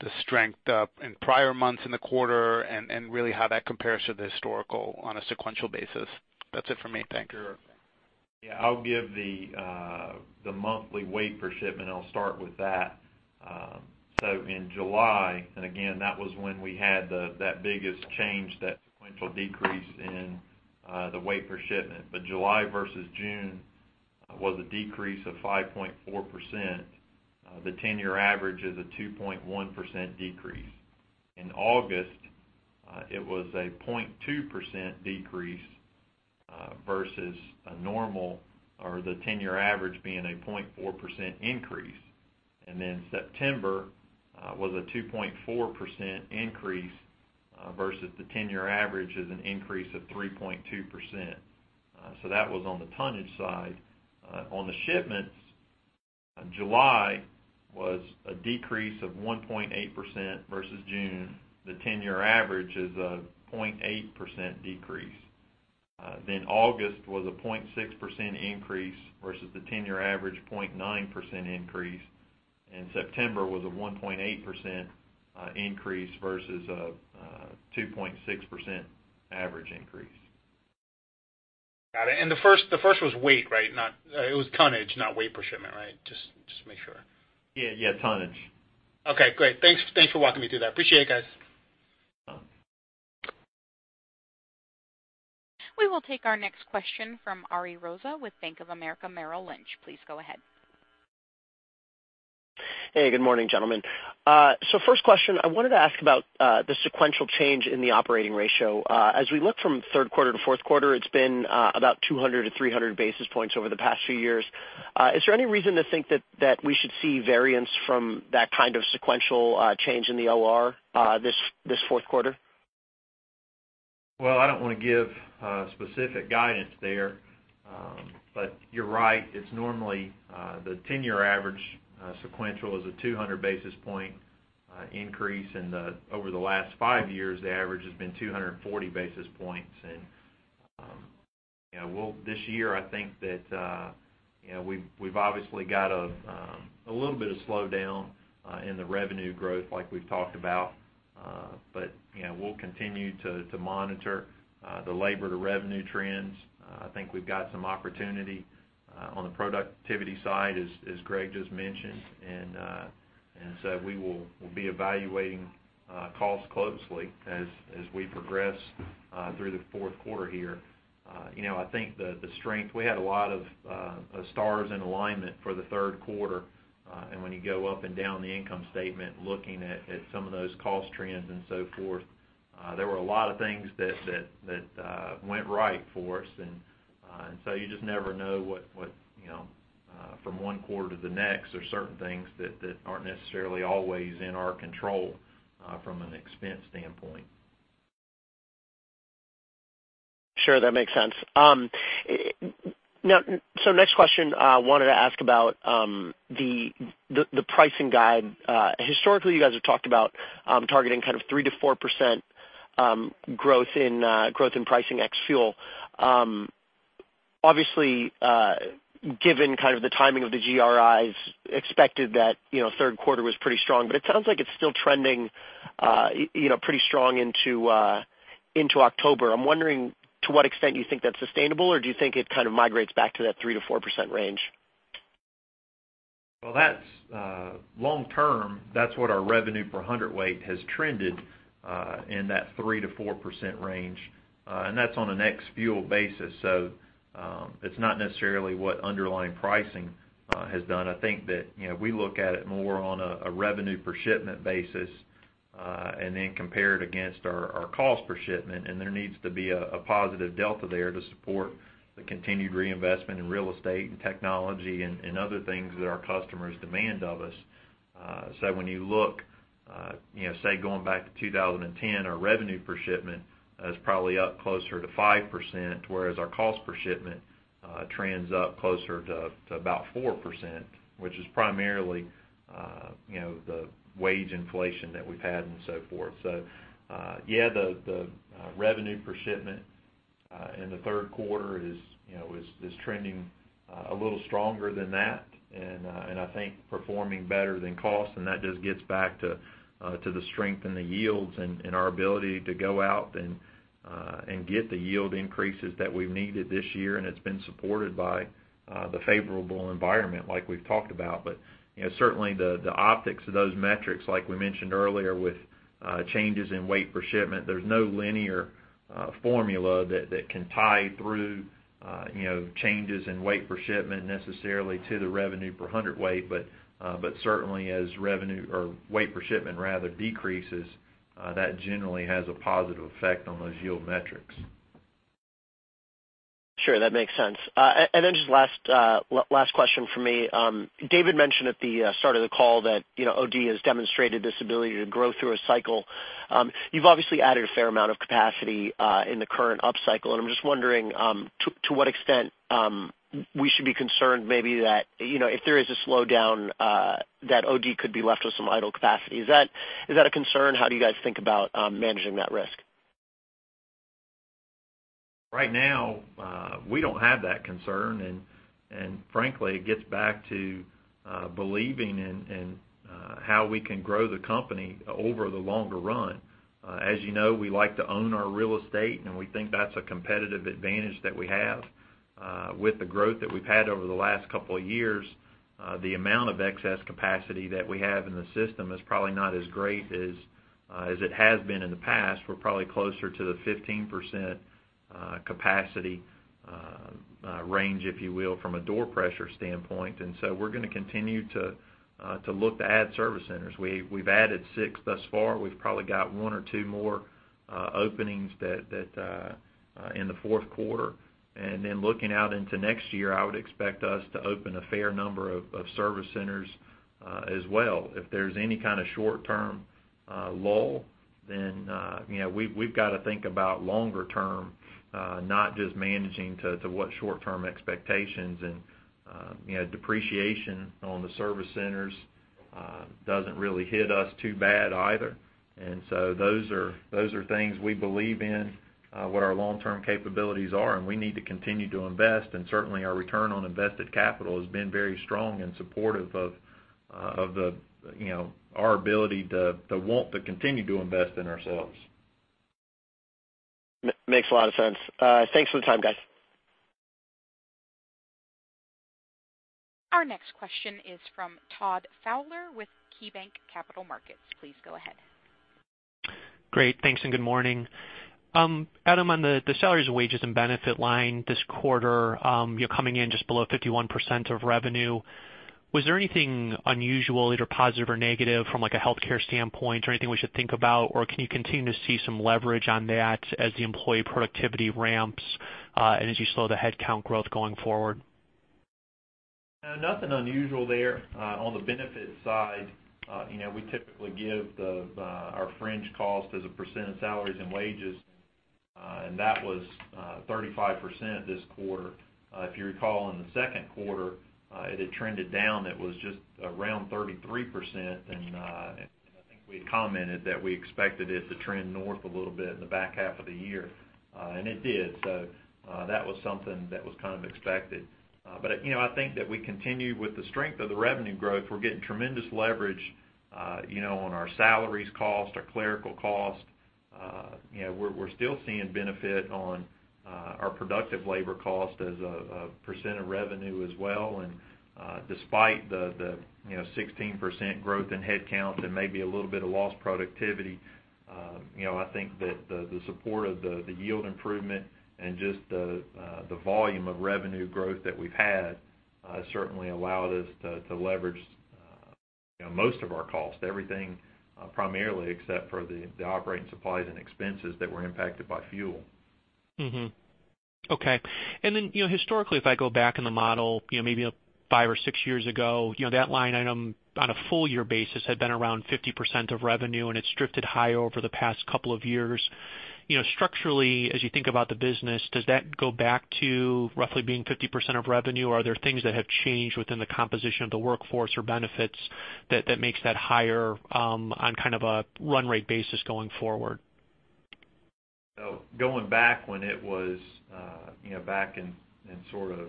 S10: the strength in prior months in the quarter and really how that compares to the historical on a sequential basis? That's it for me. Thanks.
S4: Sure. Yeah. I'll give the monthly weight per shipment, and I'll start with that. In July, and again, that was when we had that biggest change, that sequential decrease in the weight per shipment. July versus June was a decrease of 5.4%. The 10-year average is a 2.1% decrease. In August, it was a 0.2% decrease versus a normal or the 10-year average being a 0.4% increase. September was a 2.4% increase versus the 10-year average is an increase of 3.2%. That was on the tonnage side. On the shipments, July was a decrease of 1.8% versus June. The 10-year average is a 0.8% decrease. August was a 0.6% increase versus the 10-year average 0.9% increase. September was a 1.8% increase versus a 2.6% average increase.
S10: Got it. The first was weight, right? It was tonnage, not weight per shipment, right? Just to make sure.
S4: Yeah, tonnage.
S10: Okay, great. Thanks for walking me through that. Appreciate it, guys.
S4: No.
S1: We will take our next question from Ariel Rosa with Bank of America Merrill Lynch. Please go ahead.
S11: Hey, good morning, gentlemen. First question, I wanted to ask about the sequential change in the operating ratio. As we look from third quarter to fourth quarter, it's been about 200 to 300 basis points over the past few years. Is there any reason to think that we should see variance from that kind of sequential change in the OR this fourth quarter?
S4: Well, I don't want to give specific guidance there. You're right. It's normally the 10-year average sequential is a 200 basis point increase, over the last five years, the average has been 240 basis points. This year, I think that we've obviously got a little bit of slowdown in the revenue growth like we've talked about. We'll continue to monitor the labor to revenue trends. I think we've got some opportunity on the productivity side as Greg just mentioned. We will be evaluating costs closely as we progress through the fourth quarter here. I think the strength, we had a lot of stars in alignment for the third quarter. When you go up and down the income statement, looking at some of those cost trends and so forth, there were a lot of things that went right for us. You just never know what from one quarter to the next, there's certain things that aren't necessarily always in our control from an expense standpoint.
S11: Sure, that makes sense. Next question, wanted to ask about the pricing guide. Historically, you guys have talked about targeting 3%-4% growth in pricing ex-fuel. Obviously, given the timing of the GRIs, expected that third quarter was pretty strong, but it sounds like it's still trending pretty strong into October. I'm wondering to what extent you think that's sustainable or do you think it migrates back to that 3%-4% range?
S4: Well, long term, that's what our revenue per hundred weight has trended in that 3%-4% range. That's on an ex-fuel basis. It's not necessarily what underlying pricing has done. I think that we look at it more on a revenue per shipment basis, and then compare it against our cost per shipment. There needs to be a positive delta there to support the continued reinvestment in real estate and technology and other things that our customers demand of us. When you look, say, going back to 2010, our revenue per shipment is probably up closer to 5%, whereas our cost per shipment trends up closer to about 4%, which is primarily the wage inflation that we've had and so forth. Yeah, the revenue per shipment in the third quarter is trending a little stronger than that, and I think performing better than cost, and that just gets back to the strength in the yields and our ability to go out and get the yield increases that we've needed this year, and it's been supported by the favorable environment like we've talked about. Certainly the optics of those metrics, like we mentioned earlier with changes in weight per shipment, there's no linear formula that can tie through changes in weight per shipment necessarily to the revenue per hundred weight. Certainly as revenue or weight per shipment rather decreases, that generally has a positive effect on those yield metrics.
S11: Sure, that makes sense. Then just last question from me. David mentioned at the start of the call that OD has demonstrated this ability to grow through a cycle. You've obviously added a fair amount of capacity in the current up cycle, and I'm just wondering to what extent we should be concerned maybe that if there is a slowdown, that OD could be left with some idle capacity. Is that a concern? How do you guys think about managing that risk?
S4: Right now, we don't have that concern, and frankly, it gets back to believing in how we can grow the company over the longer run. As you know, we like to own our real estate, and we think that's a competitive advantage that we have. With the growth that we've had over the last couple of years, the amount of excess capacity that we have in the system is probably not as great as it has been in the past. We're probably closer to the 15% capacity range, if you will, from a door pressure standpoint. We're going to continue to look to add service centers. We've added six thus far. We've probably got one or two more openings in the fourth quarter. Looking out into next year, I would expect us to open a fair number of service centers as well. If there's any kind of short-term lull, then we've got to think about longer-term, not just managing to what short-term expectations and depreciation on the service centers doesn't really hit us too bad either. Those are things we believe in, what our long-term capabilities are, and we need to continue to invest. Certainly, our return on invested capital has been very strong and supportive of our ability, the want to continue to invest in ourselves.
S11: Makes a lot of sense. Thanks for the time, guys.
S1: Our next question is from Todd Fowler with KeyBank Capital Markets. Please go ahead.
S12: Great. Thanks, good morning. Adam, on the salaries, wages, and benefit line this quarter, you're coming in just below 51% of revenue. Was there anything unusual, either positive or negative from a healthcare standpoint or anything we should think about? Can you continue to see some leverage on that as the employee productivity ramps, and as you slow the headcount growth going forward?
S4: Nothing unusual there. That was 35% this quarter. If you recall, in the second quarter, it had trended down. It was just around 33%, and I think we had commented that we expected it to trend north a little bit in the back half of the year. It did. That was something that was kind of expected. I think that we continue with the strength of the revenue growth. We're getting tremendous leverage on our salaries cost, our clerical cost. We're still seeing benefit on our productive labor cost as a percent of revenue as well. Despite the 16% growth in headcount and maybe a little bit of lost productivity, I think that the support of the yield improvement and just the volume of revenue growth that we've had certainly allowed us to leverage most of our costs. Everything primarily except for the operating supplies and expenses that were impacted by fuel.
S12: Okay. Historically, if I go back in the model maybe five or six years ago, that line item on a full year basis had been around 50% of revenue, and it's drifted higher over the past couple of years. Structurally, as you think about the business, does that go back to roughly being 50% of revenue? Are there things that have changed within the composition of the workforce or benefits that makes that higher on a run rate basis going forward?
S4: Going back when it was back in sort of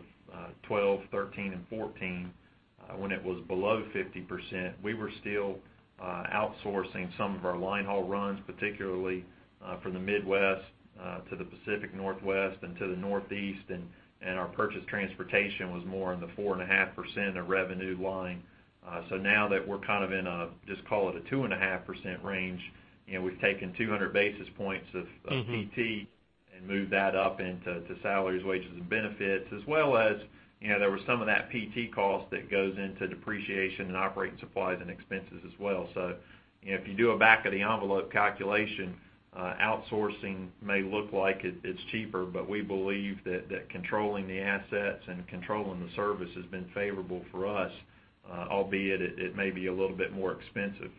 S4: 2012, 2013, and 2014, when it was below 50%, we were still outsourcing some of our line haul runs, particularly from the Midwest to the Pacific Northwest and to the Northeast, and our purchased transportation was more in the 4.5% of revenue line. Now that we're in a, just call it a 2.5% range, we've taken 200 basis points of PT and moved that up into salaries, wages, and benefits. As well as there was some of that PT cost that goes into depreciation and operating supplies and expenses as well. If you do a back of the envelope calculation, outsourcing may look like it's cheaper, but we believe that controlling the assets and controlling the service has been favorable for us, albeit it may be a little bit more expensive.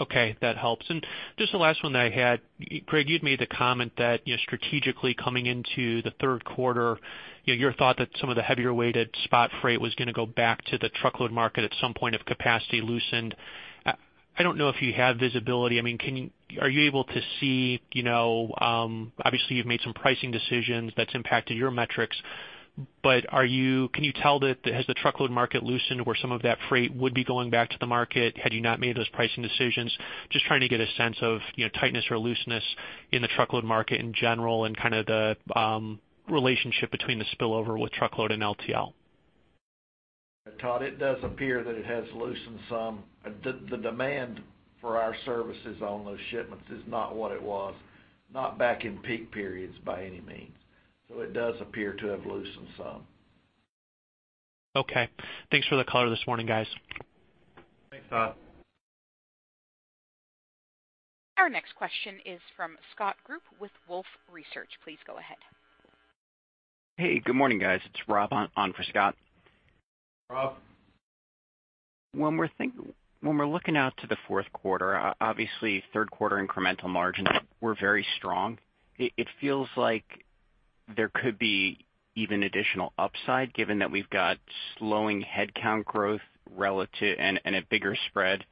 S12: Okay. That helps. Just the last one that I had, Greg, you'd made the comment that strategically coming into the third quarter, your thought that some of the heavier weighted spot freight was going to go back to the truckload market at some point if capacity loosened. I don't know if you have visibility. Are you able to see, obviously, you've made some pricing decisions that's impacted your metrics, but can you tell that has the truckload market loosened where some of that freight would be going back to the market had you not made those pricing decisions? Just trying to get a sense of tightness or looseness in the truckload market in general and the relationship between the spillover with truckload and LTL.
S3: Todd, it does appear that it has loosened some. The demand for our services on those shipments is not what it was, not back in peak periods by any means. It does appear to have loosened some.
S12: Okay. Thanks for the color this morning, guys.
S4: Thanks, Todd.
S1: Our next question is from Scott Group with Wolfe Research. Please go ahead.
S13: Hey, good morning, guys. It's Rob on for Scott.
S4: Rob.
S13: When we're looking out to the fourth quarter, obviously third quarter incremental margins were very strong. It feels like there could be even additional upside given that we've got slowing headcount growth and a bigger spread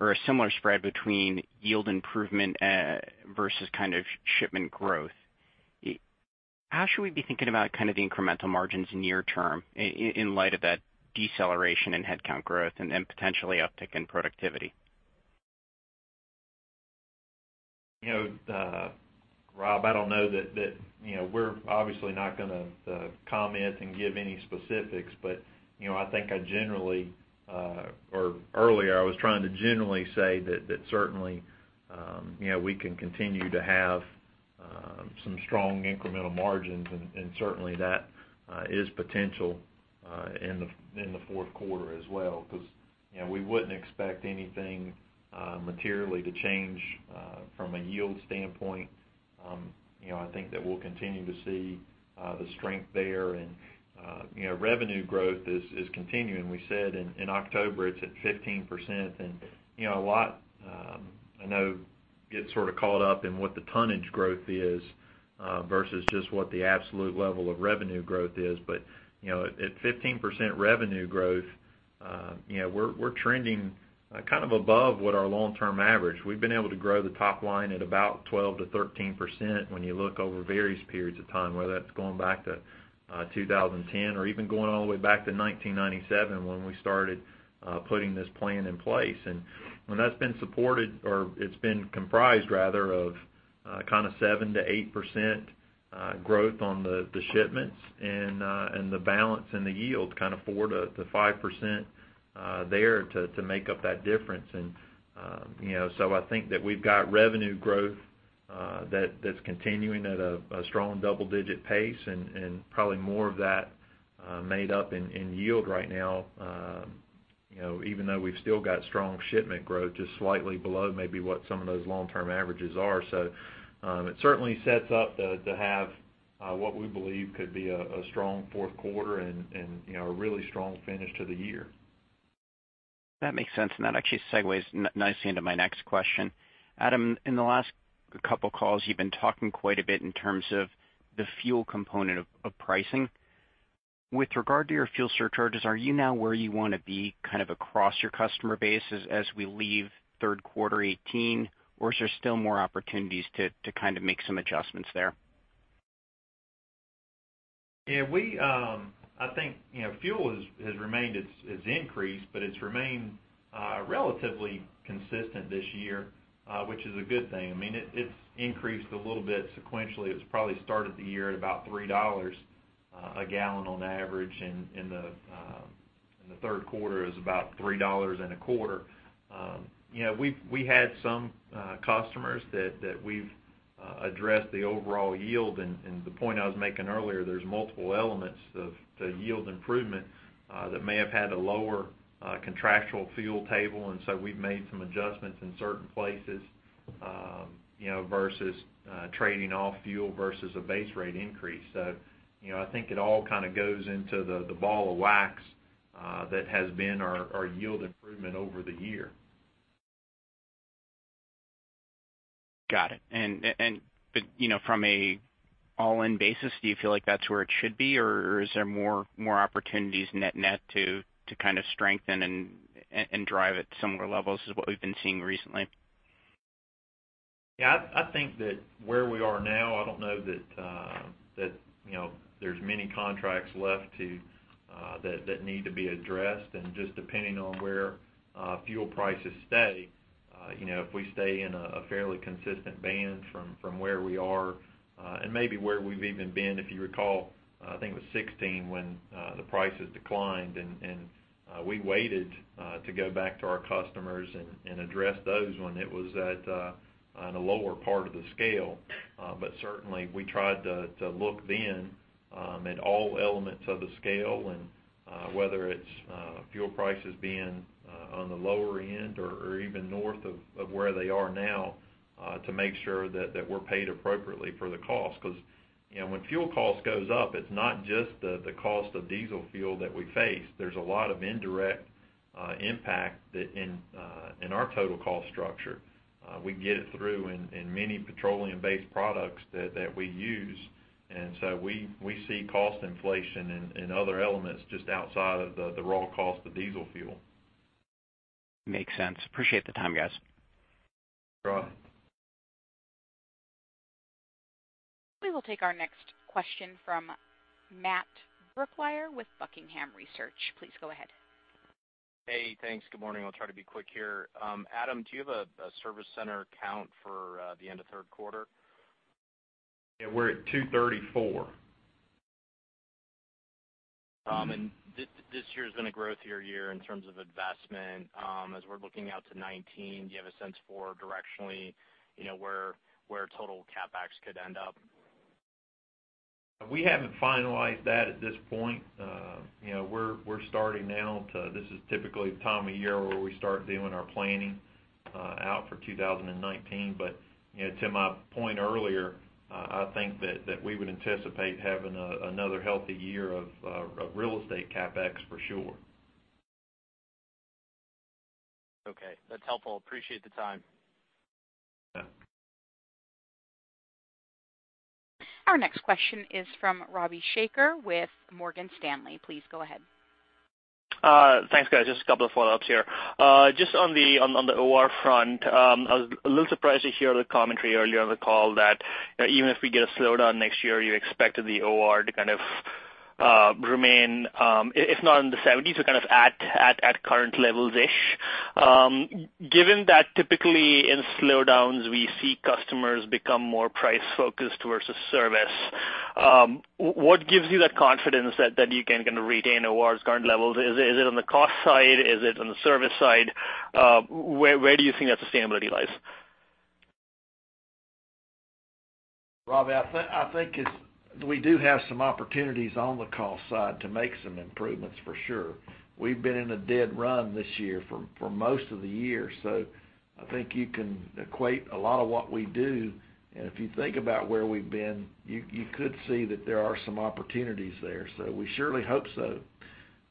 S13: or a similar spread between yield improvement versus shipment growth. How should we be thinking about the incremental margins near term in light of that deceleration in headcount growth and potentially uptick in productivity?
S4: Rob, I don't know that We're obviously not going to comment and give any specifics, but I think earlier, I was trying to generally say that certainly we can continue to have some strong incremental margins, and certainly that is potential in the fourth quarter as well. We wouldn't expect anything materially to change from a yield standpoint. I think that we'll continue to see the strength there and revenue growth is continuing. We said in October it's at 15%. A lot, I know, gets sort of caught up in what the tonnage growth is versus just what the absolute level of revenue growth is. At 15% revenue growth, we're trending above what our long-term average. We've been able to grow the top line at about 12%-13% when you look over various periods of time, whether that's going back to 2010 or even going all the way back to 1997 when we started putting this plan in place. When that's been supported, or it's been comprised rather, of 7%-8% growth on the shipments and the balance in the yield 4%-5% there to make up that difference. I think that we've got revenue growth that's continuing at a strong double-digit pace and probably more of that made up in yield right now, even though we've still got strong shipment growth just slightly below maybe what some of those long-term averages are. It certainly sets up to have what we believe could be a strong fourth quarter and a really strong finish to the year.
S13: That makes sense, that actually segues nicely into my next question. Adam, in the last couple calls, you've been talking quite a bit in terms of the fuel component of pricing. With regard to your fuel surcharges, are you now where you want to be across your customer base as we leave third quarter 2018? Is there still more opportunities to make some adjustments there?
S4: Yeah. I think fuel has increased, it's remained relatively consistent this year, which is a good thing. It's increased a little bit sequentially. It was probably started the year at about $3 a gallon on average, and the third quarter is about $3.25. We had some customers that we've addressed the overall yield, and the point I was making earlier, there's multiple elements of the yield improvement that may have had a lower contractual fuel table. We've made some adjustments in certain places, versus trading off fuel versus a base rate increase. I think it all kind of goes into the ball of wax that has been our yield improvement over the year.
S13: Got it. From an all-in basis, do you feel like that's where it should be, is there more opportunities net net to kind of strengthen and drive at similar levels as what we've been seeing recently?
S4: Yeah. I think that where we are now, I don't know that there's many contracts left that need to be addressed. Just depending on where fuel prices stay, if we stay in a fairly consistent band from where we are, and maybe where we've even been. If you recall, I think it was 2016 when the prices declined, we waited to go back to our customers and address those when it was at on a lower part of the scale. Certainly, we tried to look then at all elements of the scale, whether it's fuel prices being on the lower end or even north of where they are now, to make sure that we're paid appropriately for the cost. Because when fuel cost goes up, it's not just the cost of diesel fuel that we face. There's a lot of indirect impact that in our total cost structure. We get it through in many petroleum-based products that we use. We see cost inflation in other elements just outside of the raw cost of diesel fuel.
S13: Makes sense. Appreciate the time, guys.
S4: Sure.
S1: We will take our next question from Matt Brooklier with Buckingham Research. Please go ahead.
S14: Hey, thanks. Good morning. I'll try to be quick here. Adam, do you have a service center count for the end of third quarter?
S4: Yeah, we're at 234.
S14: This year has been a growth year in terms of investment. As we're looking out to 2019, do you have a sense for directionally where total CapEx could end up?
S4: We haven't finalized that at this point. We're starting now. This is typically the time of year where we start doing our planning out for 2019. To my point earlier, I think that we would anticipate having another healthy year of real estate CapEx, for sure.
S14: Okay. That's helpful. Appreciate the time.
S4: Yeah.
S1: Our next question is from Ravi Shanker with Morgan Stanley. Please go ahead.
S15: Thanks, guys. Just a couple of follow-ups here. Just on the OR front, I was a little surprised to hear the commentary earlier on the call that even if we get a slowdown next year, you expect the OR to kind of remain, if not in the 70s, kind of at current levels-ish. Given that typically in slowdowns we see customers become more price focused versus service, what gives you that confidence that you can retain ORs current levels? Is it on the cost side? Is it on the service side? Where do you think that sustainability lies?
S4: Ravi, I think we do have some opportunities on the cost side to make some improvements, for sure. We've been in a dead run this year for most of the year. I think you can equate a lot of what we do, and if you think about where we've been, you could see that there are some opportunities there. We surely hope so.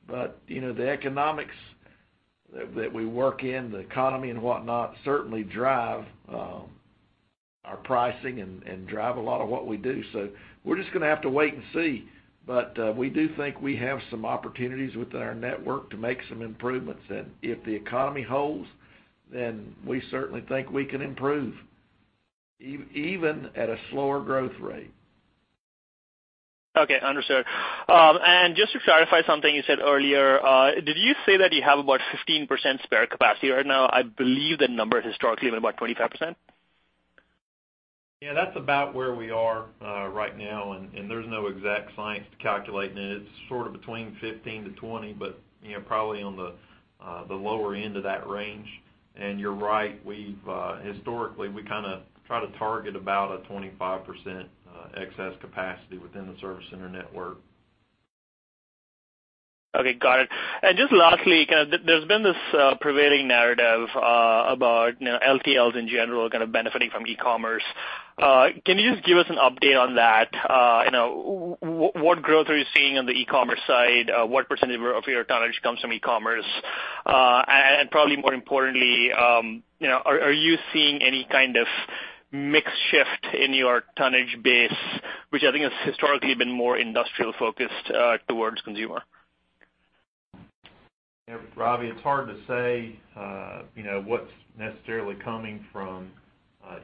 S4: The economics that we work in, the economy and whatnot, certainly drive our pricing and drive a lot of what we do. We're just going to have to wait and see. We do think we have some opportunities within our network to make some improvements. If the economy holds, we certainly think we can improve even at a slower growth rate.
S15: Okay. Understood. Just to clarify something you said earlier, did you say that you have about 15% spare capacity right now? I believe the number historically was about 25%.
S4: Yeah, that's about where we are right now, there's no exact science to calculating it. It's sort of 15%-20%, probably on the lower end of that range. You're right. Historically, we kind of try to target about a 25% excess capacity within the service center network.
S15: Okay. Got it. Just lastly, there's been this prevailing narrative about LTLs in general kind of benefiting from e-commerce. Can you just give us an update on that? What growth are you seeing on the e-commerce side? What % of your tonnage comes from e-commerce? Probably more importantly, are you seeing any kind of mix shift in your tonnage base, which I think has historically been more industrial focused towards consumer?
S4: Ravi, it's hard to say what's necessarily coming from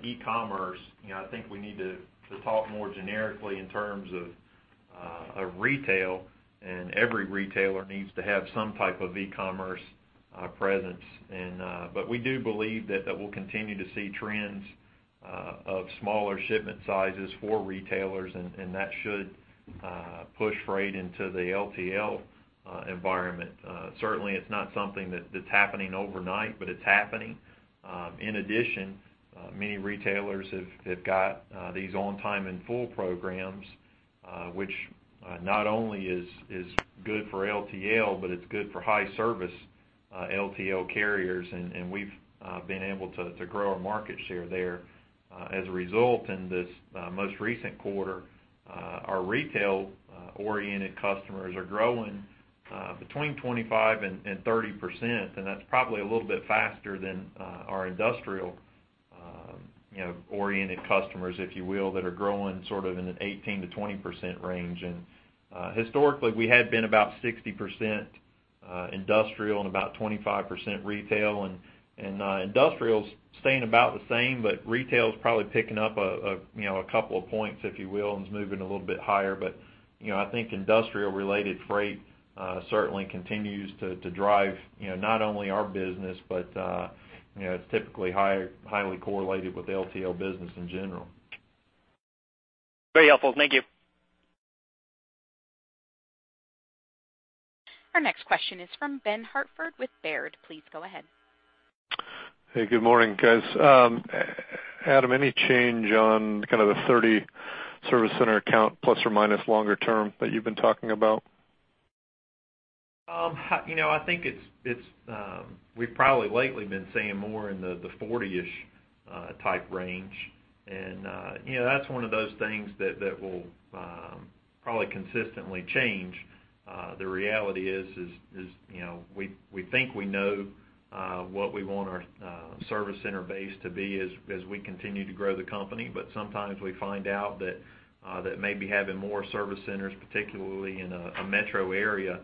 S4: e-commerce. I think we need to talk more generically in terms of retail, every retailer needs to have some type of e-commerce presence. We do believe that we'll continue to see trends of smaller shipment sizes for retailers, that should push freight into the LTL environment. Certainly, it's not something that's happening overnight, it's happening. In addition, many retailers have got these on-time and full programs, which not only is good for LTL, it's good for high service LTL carriers. We've been able to grow our market share there. As a result, in this most recent quarter, our retail-oriented customers are growing between 25% and 30%, that's probably a little bit faster than our industrial-oriented customers, if you will, that are growing sort of in an 18%-20% range. Historically, we had been about 60% industrial and about 25% retail. Industrial is staying about the same, but retail is probably picking up a couple of points, if you will, and is moving a little bit higher. I think industrial-related freight certainly continues to drive not only our business, but it's typically highly correlated with LTL business in general.
S15: Very helpful. Thank you.
S1: Our next question is from Ben Hartford with Baird. Please go ahead.
S16: Hey, good morning, guys. Adam, any change on kind of the 30 service center count plus or minus longer term that you've been talking about?
S4: I think we've probably lately been saying more in the 40-ish type range. That's one of those things that will probably consistently change. The reality is, we think we know what we want our service center base to be as we continue to grow the company. Sometimes we find out that maybe having more service centers, particularly in a metro area,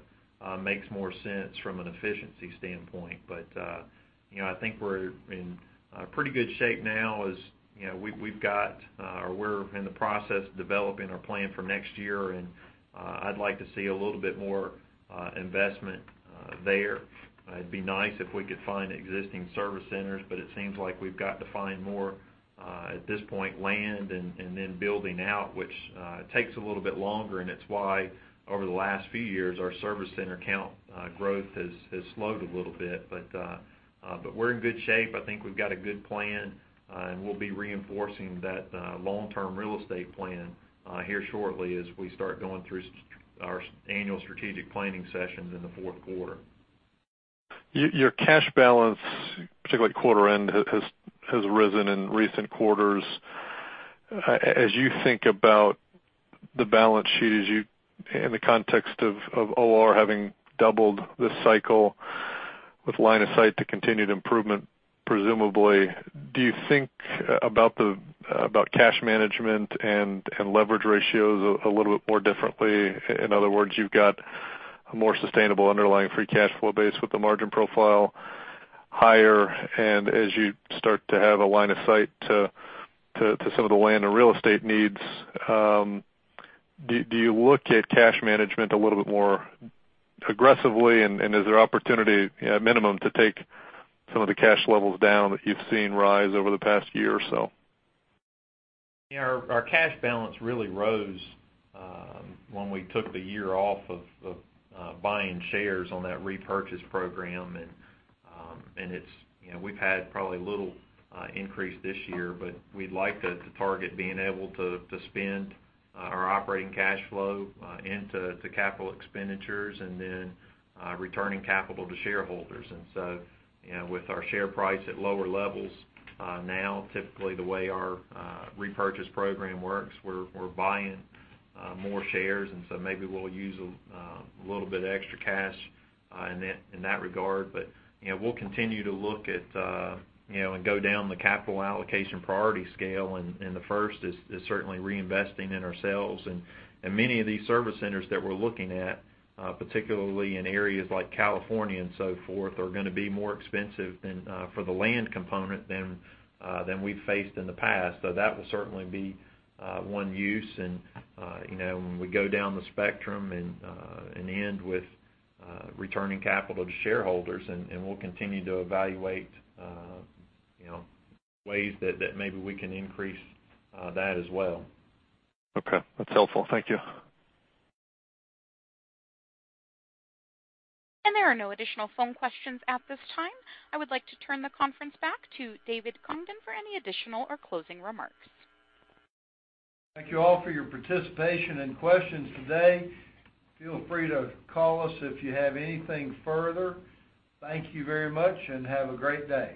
S4: makes more sense from an efficiency standpoint. I think we're in pretty good shape now as we've got or we're in the process of developing our plan for next year, and I'd like to see a little bit more investment there. It'd be nice if we could find existing service centers, it seems like we've got to find more, at this point, land and then building out, which takes a little bit longer and it's why over the last few years, our service center count growth has slowed a little bit. We're in good shape. I think we've got a good plan, and we'll be reinforcing that long-term real estate plan here shortly as we start going through our annual strategic planning sessions in the fourth quarter.
S16: Your cash balance, particularly at quarter end, has risen in recent quarters. As you think about the balance sheet in the context of OR having doubled this cycle with line of sight to continued improvement, presumably, do you think about cash management and leverage ratios a little bit more differently? In other words, you've got a more sustainable underlying free cash flow base with the margin profile higher, and as you start to have a line of sight to some of the land or real estate needs, do you look at cash management a little bit more aggressively, and is there opportunity at minimum to take some of the cash levels down that you've seen rise over the past year or so?
S4: Our cash balance really rose when we took the year off of buying shares on that repurchase program. We've had probably little increase this year, but we'd like to target being able to spend our operating cash flow into capital expenditures and then returning capital to shareholders. With our share price at lower levels now, typically the way our repurchase program works, we're buying more shares, maybe we'll use a little bit of extra cash in that regard. We'll continue to look at and go down the capital allocation priority scale, and the first is certainly reinvesting in ourselves. Many of these service centers that we're looking at, particularly in areas like California and so forth, are going to be more expensive for the land component than we've faced in the past. That will certainly be one use. When we go down the spectrum and end with returning capital to shareholders, and we'll continue to evaluate ways that maybe we can increase that as well.
S16: Okay. That's helpful. Thank you.
S1: There are no additional phone questions at this time. I would like to turn the conference back to David Congdon for any additional or closing remarks.
S2: Thank you all for your participation and questions today. Feel free to call us if you have anything further. Thank you very much, and have a great day.